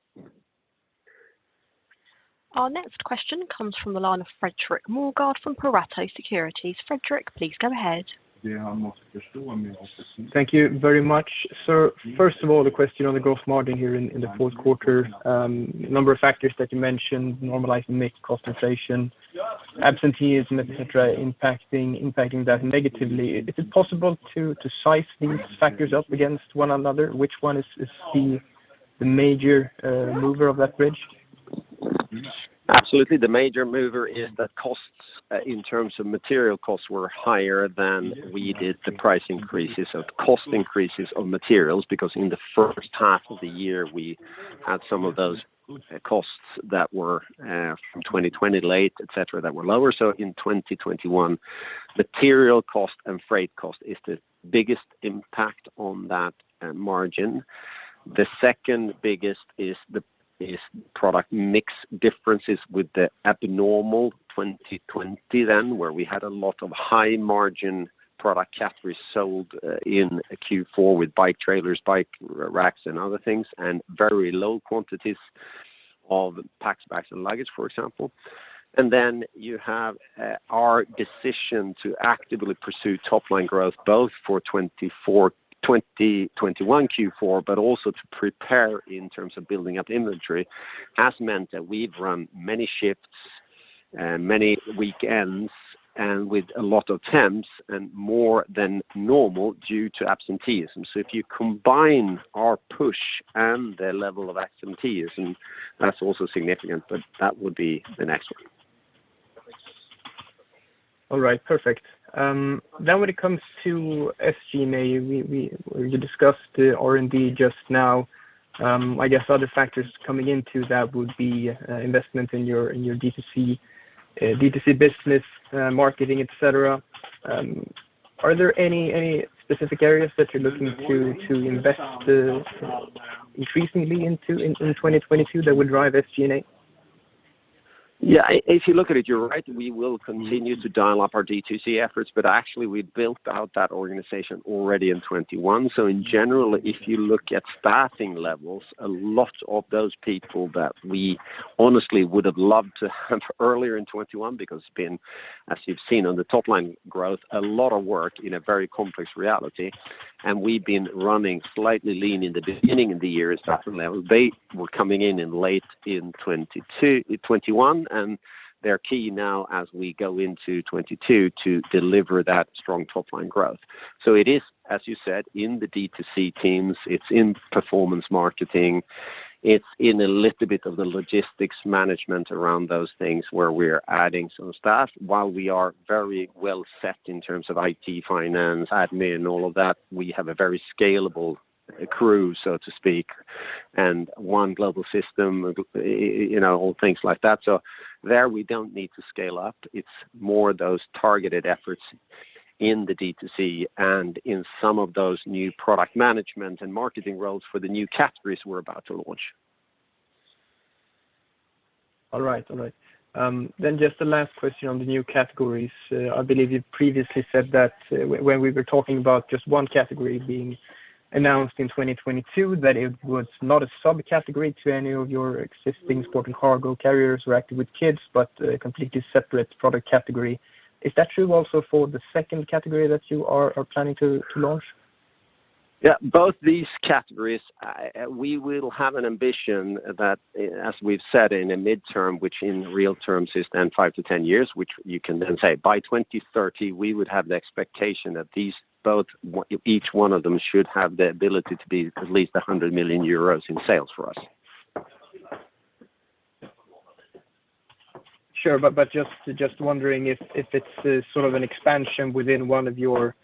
Our next question comes from the line of Fredrik Ivarsson from Pareto Securities. Fredrik, please go ahead. Thank you very much. First of all, the question on the growth margin here in the fourth quarter, a number of factors that you mentioned, normalizing mix, cost inflation, absenteeism, etc., impacting that negatively. Is it possible to size these factors up against one another? Which one is the major mover of that bridge? Absolutely. The major mover is that costs in terms of material costs were higher than we did the price increases, cost increases of materials, because in the first half of the year, we had some of those costs that were from late 2020, etc., that were lower. In 2021, material cost and freight cost is the biggest impact on that margin. The second biggest is product mix differences with the abnormal 2020 then, where we had a lot of high margin product categories sold in a Q4 with bike trailers, bike racks and other things, and very low quantities of Packs, Bags & Luggage, for example. You have our decision to actively pursue top line growth, both for 2021 Q4, but also to prepare in terms of building up inventory, has meant that we've run many shifts, many weekends and with a lot of temps and more than normal due to absenteeism. If you combine our push and the level of absenteeism, that's also significant, but that would be the next one. All right, perfect. When it comes to SG&A, You discussed the R&D just now. I guess other factors coming into that would be investment in your D2C business, marketing, etc. Are there any specific areas that you're looking to invest increasingly into in 2022 that would drive SG&A? Yeah. If you look at it, you're right. We will continue to dial up our D2C efforts, but actually we built out that organization already in 2021. So in general, if you look at staffing levels, a lot of those people that we honestly would have loved to have earlier in 2021 because it's been, as you've seen on the top line growth, a lot of work in a very complex reality, and we've been running slightly lean in the beginning of the year at certain levels. They were coming in in late 2021, and they're key now as we go into 2022 to deliver that strong top line growth. It is, as you said, in the D2C teams, it's in performance marketing, it's in a little bit of the logistics management around those things where we're adding some staff while we are very well set in terms of IT, finance, admin, all of that. We have a very scalable crew, so to speak, and one global system, you know, all things like that. There, we don't need to scale up. It's more those targeted efforts in the D2C and in some of those new product management and marketing roles for the new categories we're about to launch. All right. Then just a last question on the new categories. I believe you previously said that when we were talking about just one category being announced in 2022, that it was not a subcategory to any of your existing Sport & Cargo Carriers or Active with Kids, but a completely separate product category. Is that true also for the second category that you are planning to launch? Both these categories, we will have an ambition that, as we've said in a midterm, which in real terms is then five to 10 years, which you can then say by 2030, we would have the expectation that each one of them should have the ability to be at least 100 million euros in sales for us. Sure. Just wondering if it's sort of an expansion within one of your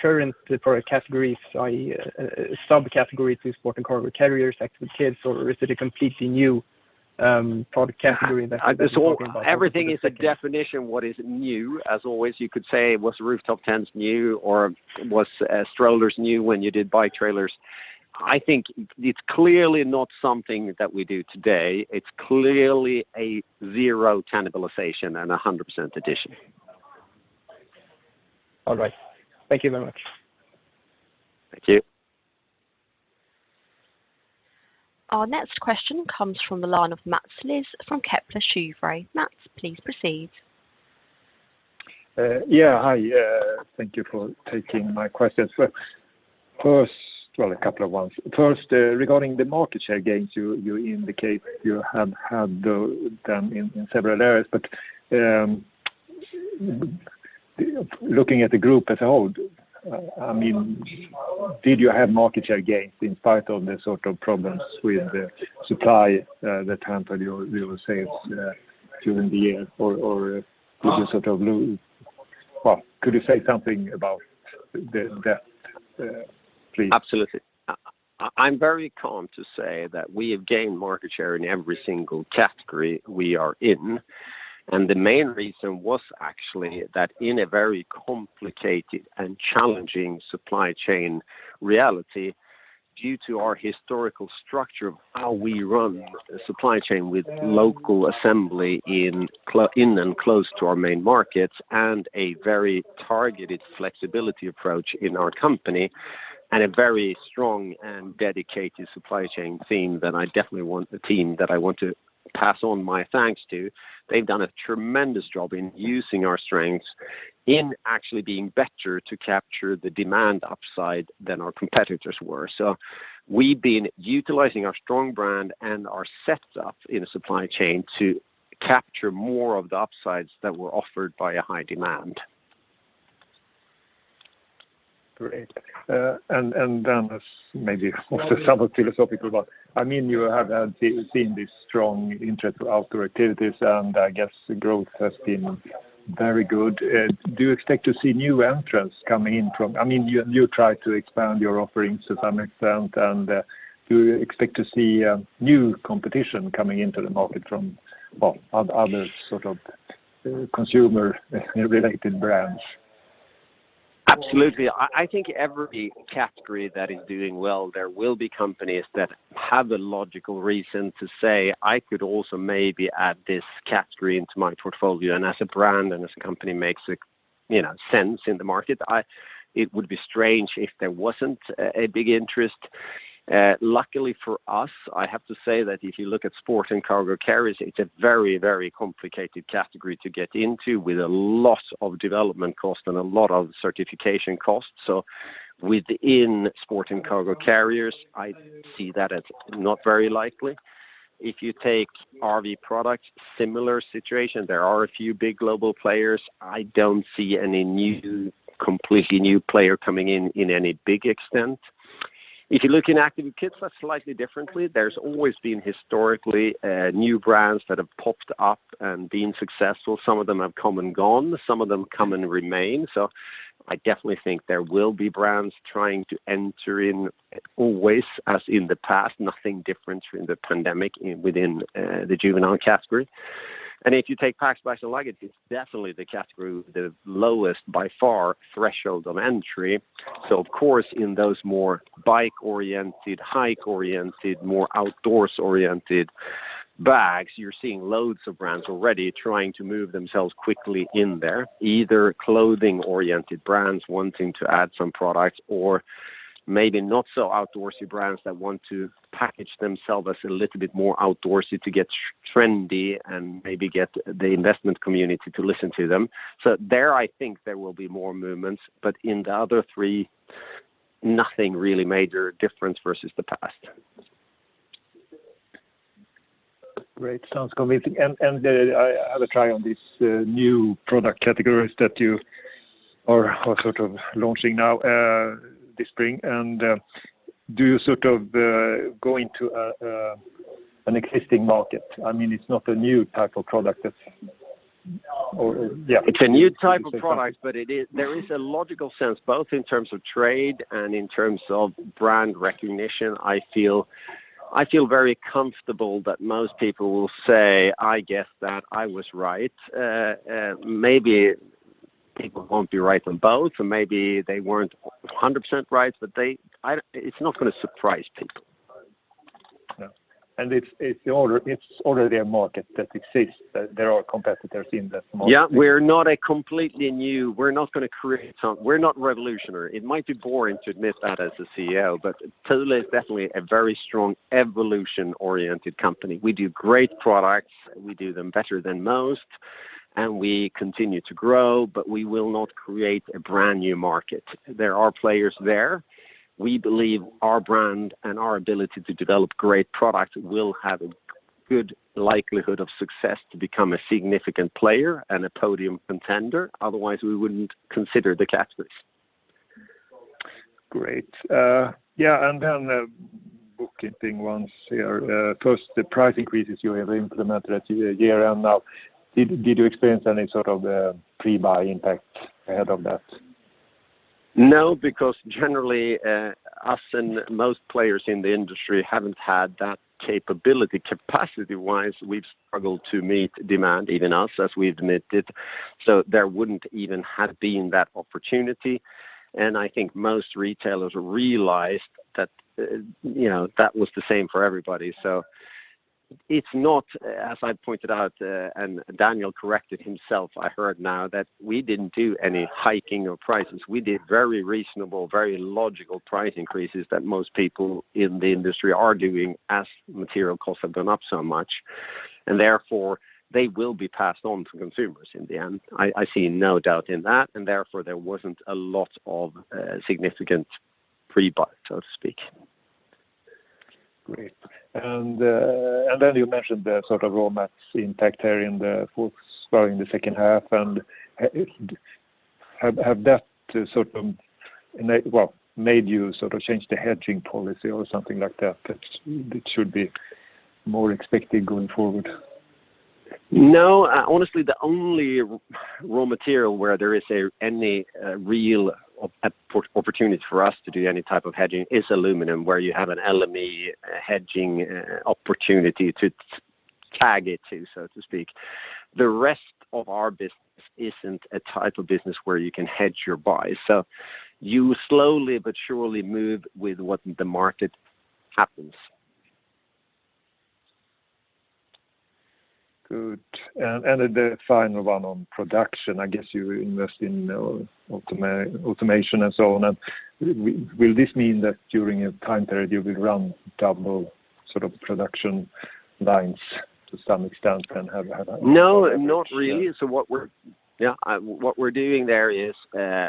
current product categories, i.e., subcategory to Sport & Cargo Carriers, Active with Kids, or is it a completely new product category that you're talking about? Everything is a definition. What is new? As always, you could say, was rooftop tents new or was strollers new when you did bike trailers? I think it's clearly not something that we do today. It's clearly a zero cannibalization and a 100% addition. All right. Thank you very much. Thank you. Our next question comes from the line of Mats Liss from Kepler Cheuvreux. Mats, please proceed. Yeah. Hi. Thank you for taking my questions. First. Well, a couple of ones. First, regarding the market share gains you indicate you have had them in several areas. Looking at the group as a whole, I mean, did you have market share gains in spite of the sort of problems with the supply that hampered your sales during the year? Or did you sort of lose? Well, could you say something about that, please? Absolutely. I'm very glad to say that we have gained market share in every single category we are in. The main reason was actually that in a very complicated and challenging supply chain reality, due to our historical structure of how we run a supply chain with local assembly in and close to our main markets and a very targeted flexibility approach in our company and a very strong and dedicated supply chain team, the team that I want to pass on my thanks to. They've done a tremendous job in using our strengths in actually being better to capture the demand upside than our competitors were. We've been utilizing our strong brand and our setup in a supply chain to capture more of the upsides that were offered by a high demand. Great. And then this maybe also somewhat philosophical, but I mean, you have seen this strong interest in outdoor activities, and I guess growth has been very good. Do you expect to see new entrants coming in from, I mean, you try to expand your offerings to some extent, and do you expect to see new competition coming into the market from, well, other sort of consumer related brands? Absolutely. I think every category that is doing well, there will be companies that have the logical reason to say, "I could also maybe add this category into my portfolio." As a brand and as a company makes, you know, sense in the market, it would be strange if there wasn't a big interest. Luckily for us, I have to say that if you look at Sport & Cargo Carriers, it's a very, very complicated category to get into with a lot of development cost and a lot of certification costs. Within Sport & Cargo Carriers, I see that as not very likely. If you take RV Products, similar situation, there are a few big global players. I don't see any completely new player coming in in any big extent. If you look in Active with Kids, that's slightly different. There's always been historically new brands that have popped up and been successful. Some of them have come and gone, some of them come and remain. I definitely think there will be brands trying to enter in always as in the past, nothing different during the pandemic within the juvenile category. If you take Packs, Bags & Luggage, it's definitely the category, the lowest by far threshold of entry. Of course, in those more bike-oriented, hike-oriented, more outdoors-oriented bags, you're seeing loads of brands already trying to move themselves quickly in there. Either clothing-oriented brands wanting to add some products or maybe not so outdoorsy brands that want to package themselves as a little bit more outdoorsy to get trendy and maybe get the investment community to listen to them. There, I think there will be more movements, but in the other three, nothing really major different versus the past. Great. Sounds convincing. I have a try on these new product categories that you are sort of launching now, this spring. Do you sort of go into an existing market? I mean, it's not a new type of product or yeah. It's a new type of product, but there is a logical sense both in terms of trade and in terms of brand recognition. I feel very comfortable that most people will say, "I guessed that. I was right." Maybe people won't be right on both, or maybe they weren't 100% right, but it's not gonna surprise people. Yeah. It's already a market that exists. There are competitors in that market. We're not gonna create something. We're not revolutionary. It might be boring to admit that as a CEO, but Thule is definitely a very strong evolution-oriented company. We do great products, we do them better than most, and we continue to grow, but we will not create a brand new market. There are players there. We believe our brand and our ability to develop great product will have a good likelihood of success to become a significant player and a podium contender. Otherwise, we wouldn't consider the category. Great. Yeah, and then bookkeeping ones here. First, the price increases you have implemented at year-end now, did you experience any sort of pre-buy impact ahead of that? No, because generally, us and most players in the industry haven't had that capability. Capacity-wise, we've struggled to meet demand, even us, as we admitted, so there wouldn't even have been that opportunity. I think most retailers realized that, you know, that was the same for everybody, so. It's not, as I pointed out, and Daniel corrected himself, I heard now that we didn't do any hiking of prices. We did very reasonable, very logical price increases that most people in the industry are doing as material costs have gone up so much, and therefore, they will be passed on to consumers in the end. I see no doubt in that, and therefore, there wasn't a lot of, significant pre-buy, so to speak. Great. Then you mentioned the sort of raw materials impact there in the works during the second half, and have that sort of made you sort of change the hedging policy or something like that it should be more expected going forward? No. Honestly, the only raw material where there is any real opportunity for us to do any type of hedging is aluminum, where you have an LME hedging opportunity to tag it to, so to speak. The rest of our business isn't a type of business where you can hedge your buys. You slowly but surely move with what happens in the market. Good. The final one on production, I guess you invest in automation and so on, and will this mean that during a time period, you will run double sort of production lines to some extent. No, not really. Yeah. What we're doing there is,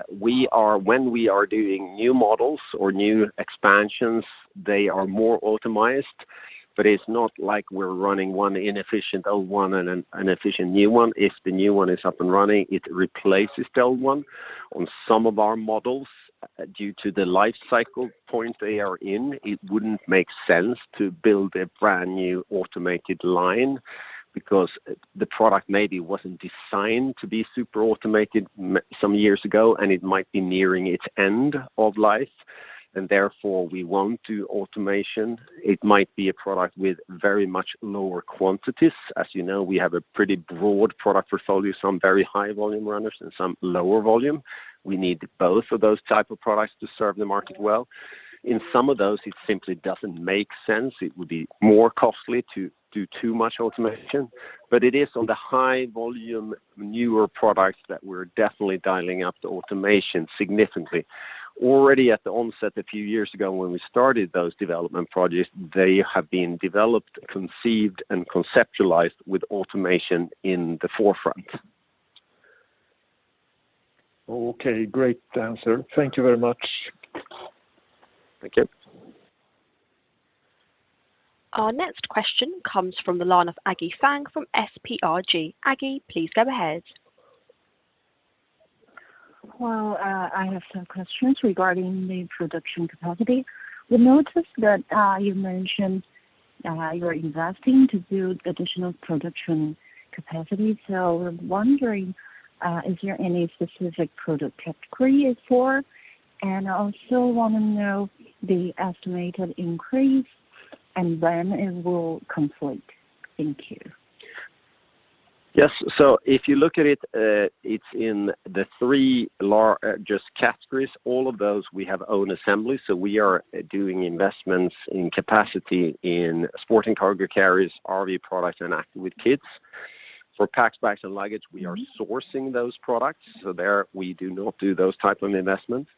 when we are doing new models or new expansions, they are more automated, but it's not like we're running one inefficient old one and an efficient new one. If the new one is up and running, it replaces the old one. On some of our models, due to the life cycle point they are in, it wouldn't make sense to build a brand new automated line because the product maybe wasn't designed to be super automated some years ago, and it might be nearing its end of life. Therefore, we won't do automation. It might be a product with very much lower quantities. As you know, we have a pretty broad product portfolio, some very high volume runners and some lower volume. We need both of those type of products to serve the market well. In some of those, it simply doesn't make sense. It would be more costly to do too much automation. It is on the high volume newer products that we're definitely dialing up the automation significantly. Already at the onset a few years ago when we started those development projects, they have been developed, conceived, and conceptualized with automation in the forefront. Okay. Great answer. Thank you very much. Thank you. Our next question comes from the line of Agnieszka Vilela from SPRG. Aggie, please go ahead. Well, I have some questions regarding the production capacity. We noticed that you mentioned you're investing to do additional production capacity. We're wondering, is there any specific product category it's for? And I also wanna know the estimated increase and when it will conflict. Thank you. Yes. If you look at it's in the three largest categories, all of those we have own assembly. We are doing investments in capacity in Sport & Cargo Carriers, RV Products, and Active with Kids. For Packs, Bags & Luggage, we are sourcing those products, so there we do not do those type of investments.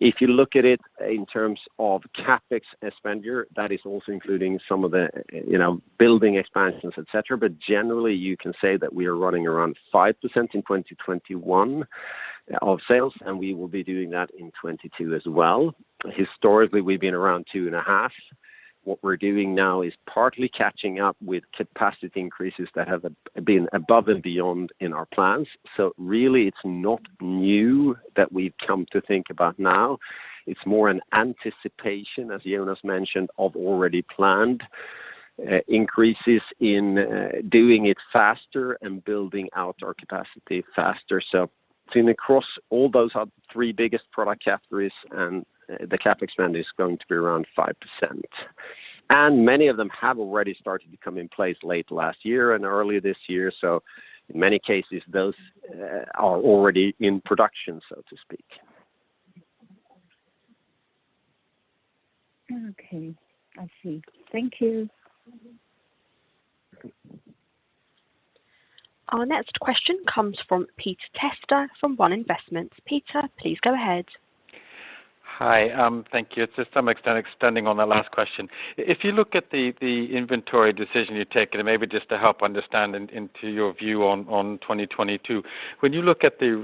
If you look at it in terms of CapEx spend, yeah, that is also including some of the, you know, building expansions, et.enerally, you can say that we are running around 5% in 2021 of sales, and we will be doing that in 2022 as well. Historically, we've been around 2.5%. What we're doing now is partly catching up with capacity increases that have been above and beyond in our plans. Really it's not new that we've come to think about now. It's more an anticipation, as Jonas mentioned, of already planned increases in doing it faster and building out our capacity faster. Seeing across all those are three biggest product categories, and the CapEx spend is going to be around 5%. Many of them have already started to come in place late last year and early this year. In many cases, those are already in production, so to speak. Okay. I see. Thank you. Our next question comes from Peter Testa from One Investments. Peter, please go ahead. Hi. Thank you. To some extent, extending on the last question. If you look at the inventory decision you're taking, and maybe just to help understand into your view on 2022. When you look at the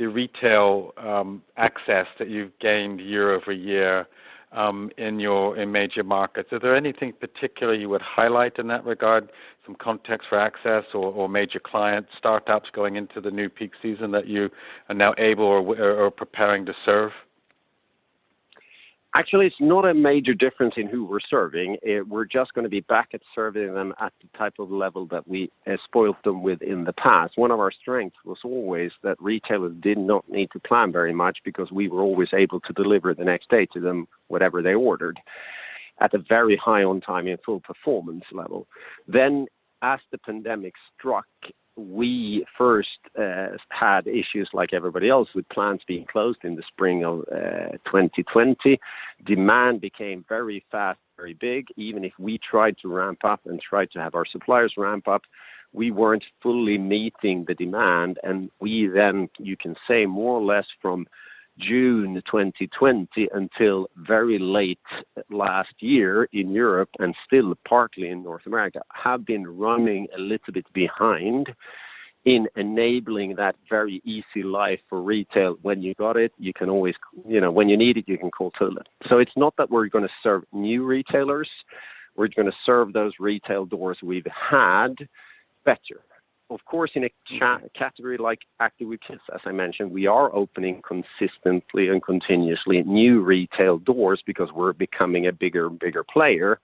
retail access that you've gained year-over-year, in your major markets, are there anything particular you would highlight in that regard, some context for access or major client startups going into the new peak season that you are now able or preparing to serve? Actually, it's not a major difference in who we're serving. We're just gonna be back at serving them at the type of level that we spoiled them with in the past. One of our strengths was always that retailers did not need to plan very much because we were always able to deliver the next day to them, whatever they ordered at a very high on time and full performance level. As the pandemic struck, we first had issues like everybody else with plants being closed in the spring of 2020. Demand became very fast, very big. Even if we tried to ramp up and tried to have our suppliers ramp up, we weren't fully meeting the demand. We then, you can say more or less from June 2020 until very late last year in Europe and still partly in North America, have been running a little bit behind in enabling that very easy life for retail. When you got it, you can always. You know, when you need it, you can call Thule. So it's not that we're gonna serve new retailers. We're gonna serve those retail doors we've had better. Of course, in a category like Active with Kids, as I mentioned, we are opening consistently and continuously new retail doors because we're becoming a bigger and bigger player,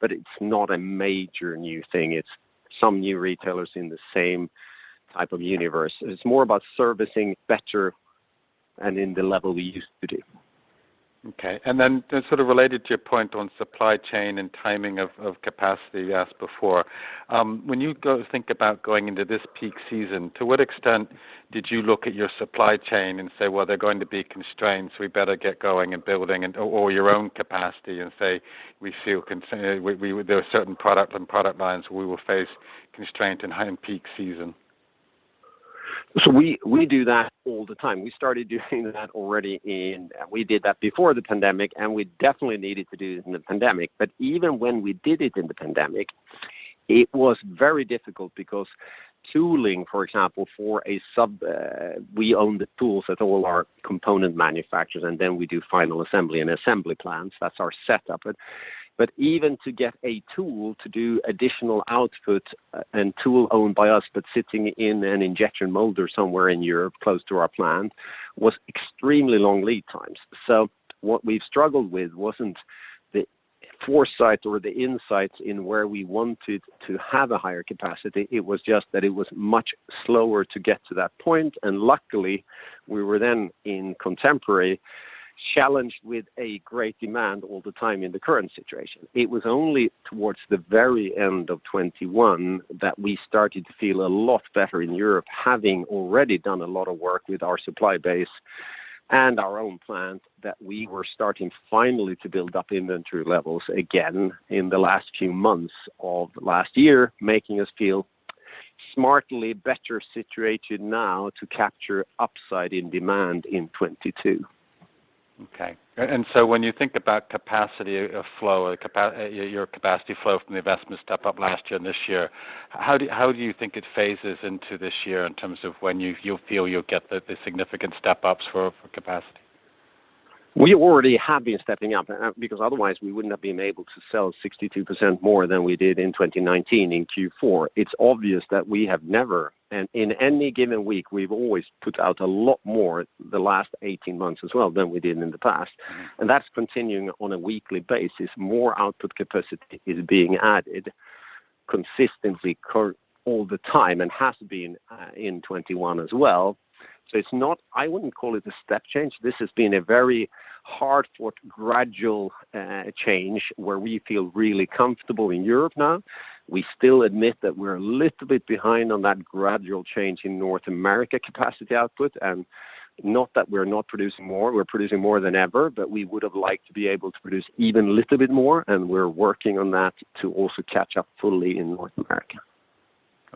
but it's not a major new thing. It's some new retailers in the same type of universe. It's more about servicing better and in the level we used to do. Okay. Then sort of related to your point on supply chain and timing of capacity you asked before. When you go think about going into this peak season, to what extent did you look at your supply chain and say, "Well, they're going to be constrained, so we better get going and building," and or your own capacity and say, "We feel constrained. We. There are certain products and product lines we will face constraint in high peak season"? We do that all the time. We did that before the pandemic, and we definitely needed to do it in the pandemic. Even when we did it in the pandemic, it was very difficult because tooling, for example, for a sub. We own the tools at all our component manufacturers, and then we do final assembly and assembly plants. That's our setup. Even to get a tool to do additional output and tool owned by us, but sitting in an injection molder somewhere in Europe, close to our plant, was extremely long lead times. What we've struggled with wasn't the foresight or the insight into where we wanted to have a higher capacity. It was just that it was much slower to get to that point. Luckily, we were then concurrently challenged with a great demand all the time in the current situation. It was only towards the very end of 2021 that we started to feel a lot better in Europe, having already done a lot of work with our supply base and our own plant, we were starting finally to build up inventory levels again in the last few months of last year, making us feel substantially better situated now to capture upside in demand in 2022. When you think about your capacity flow from the investment step up last year and this year, how do you think it phases into this year in terms of when you feel you'll get the significant step-ups for capacity? We already have been stepping up because otherwise we wouldn't have been able to sell 62% more than we did in 2019 in Q4. It's obvious that we have never, and in any given week, we've always put out a lot more the last 18 months as well than we did in the past. That's continuing on a weekly basis. More output capacity is being added consistently all the time and has been in 2021 as well. It's not, I wouldn't call it a step change. This has been a very hard-fought gradual change where we feel really comfortable in Europe now. We still admit that we're a little bit behind on that gradual change in North America capacity output, and not that we're not producing more, we're producing more than ever, but we would have liked to be able to produce even a little bit more, and we're working on that to also catch up fully in North America.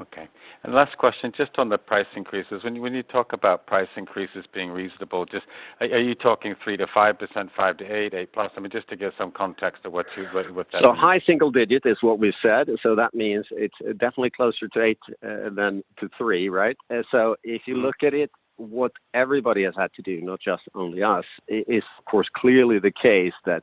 Okay. Last question, just on the price increases. When you talk about price increases being reasonable, just are you talking 3%-5%, 5%-8%, 8%+? I mean, just to give some context of what that means. High single-digit % is what we've said. That means it's definitely closer to 8% than to 3%, right? If you look at it, what everybody has had to do, not just only us, is of course, clearly the case that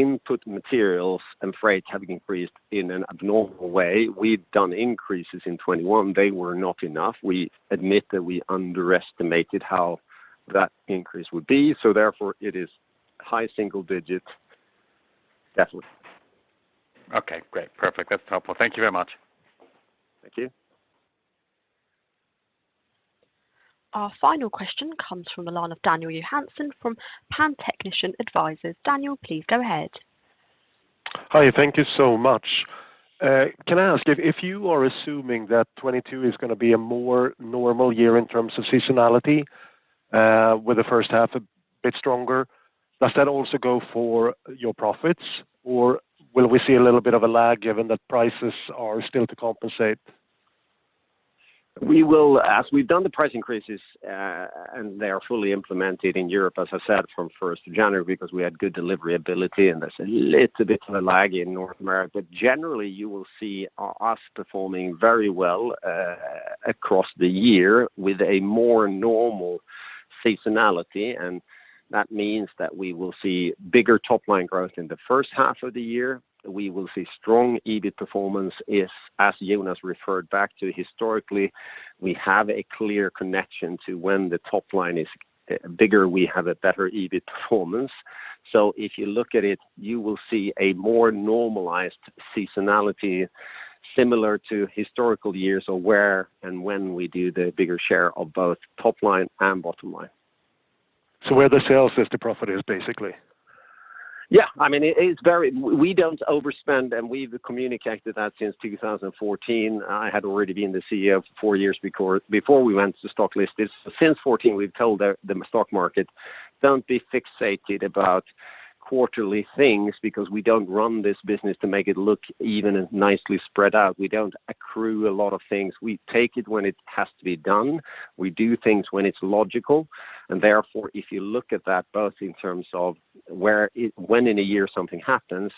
input materials and freight have increased in an abnormal way. We've done increases in 2021. They were not enough. We admit that we underestimated how that increase would be. Therefore, it is high single-digits %, definitely. Okay, great. Perfect. That's helpful. Thank you very much. Thank you. Our final question comes from the line of Daniel Johansson from Pantechnicon Advisors. Daniel, please go ahead. Hi, thank you so much. Can I ask if you are assuming that 2022 is gonna be a more normal year in terms of seasonality, with the first half a bit stronger? Does that also go for your profits, or will we see a little bit of a lag given that prices are still to compensate? As we've done the price increases, and they are fully implemented in Europe, as I said, from first of January because we had good delivery ability, and there's a little bit of a lag in North America. Generally, you will see us performing very well across the year with a more normal seasonality, and that means that we will see bigger top-line growth in the first half of the year. We will see strong EBIT performance if, as Jonas referred back to historically, we have a clear connection to when the top line is bigger, we have a better EBIT performance. If you look at it, you will see a more normalized seasonality similar to historical years of where and when we do the bigger share of both top line and bottom line. Where the sales is, the profit is, basically? We don't overspend, and we've communicated that since 2014. I had already been the CEO four years before we went to stock list. Since 2014, we've told the stock market, "Don't be fixated about quarterly things because we don't run this business to make it look even and nicely spread out." We don't accrue a lot of things. We take it when it has to be done. We do things when it's logical. Therefore, if you look at that both in terms of when in a year something happens,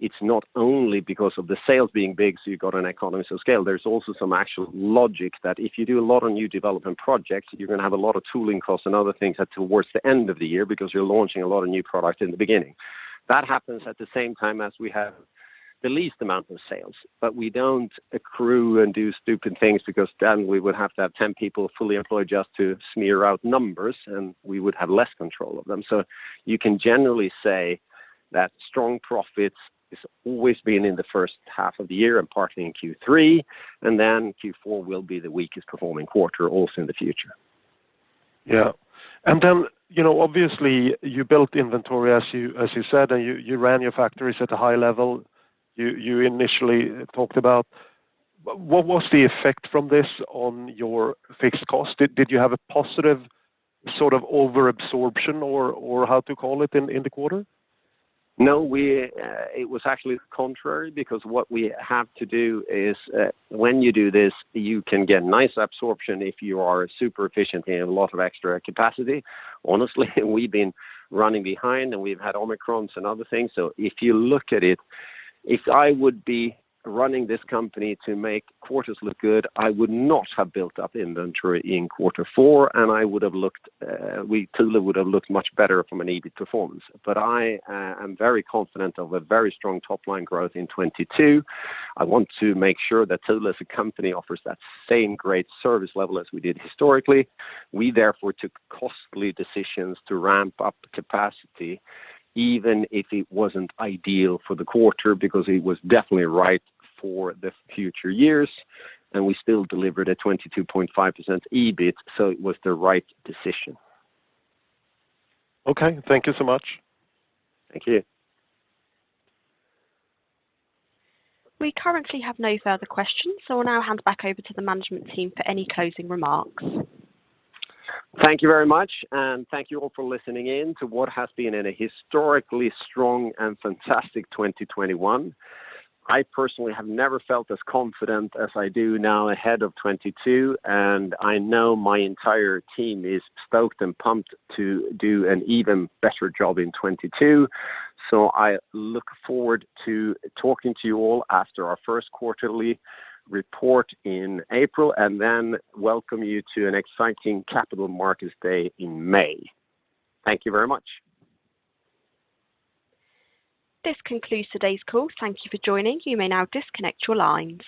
it's not only because of the sales being big, so you got an economy of scale. There's also some actual logic that if you do a lot of new development projects, you're gonna have a lot of tooling costs and other things towards the end of the year because you're launching a lot of new products in the beginning. That happens at the same time as we have the least amount of sales. We don't accrue and do stupid things because then we would have to have 10 people fully employed just to smear out numbers, and we would have less control of them. You can generally say that strong profits is always been in the first half of the year and partly in Q3, and then Q4 will be the weakest performing quarter also in the future. Yeah. You know, obviously, you built inventory, as you said, and you ran your factories at a high level, you initially talked about. What was the effect from this on your fixed cost? Did you have a positive sort of overabsorption or how to call it in the quarter? No. It was actually contrary because what we have to do is, when you do this, you can get nice absorption if you are super efficient and you have a lot of extra capacity. Honestly, we've been running behind, and we've had Omicron and other things. If you look at it, if I would be running this company to make quarters look good, I would not have built up inventory in quarter four, and Thule would have looked much better from an EBIT performance. I am very confident of a very strong top-line growth in 2022. I want to make sure that Thule as a company offers that same great service level as we did historically. We therefore took costly decisions to ramp up capacity, even if it wasn't ideal for the quarter, because it was definitely right for the future years, and we still delivered a 22.5% EBIT, so it was the right decision. Okay. Thank you so much. Thank you. We currently have no further questions, so I'll now hand back over to the management team for any closing remarks. Thank you very much, and thank you all for listening in to what has been a historically strong and fantastic 2021. I personally have never felt as confident as I do now ahead of 2022, and I know my entire team is stoked and pumped to do an even better job in 2022. I look forward to talking to you all after our first quarterly report in April, and then welcome you to an exciting Capital Markets Day in May. Thank you very much. This concludes today's call. Thank you for joining. You may now disconnect your lines.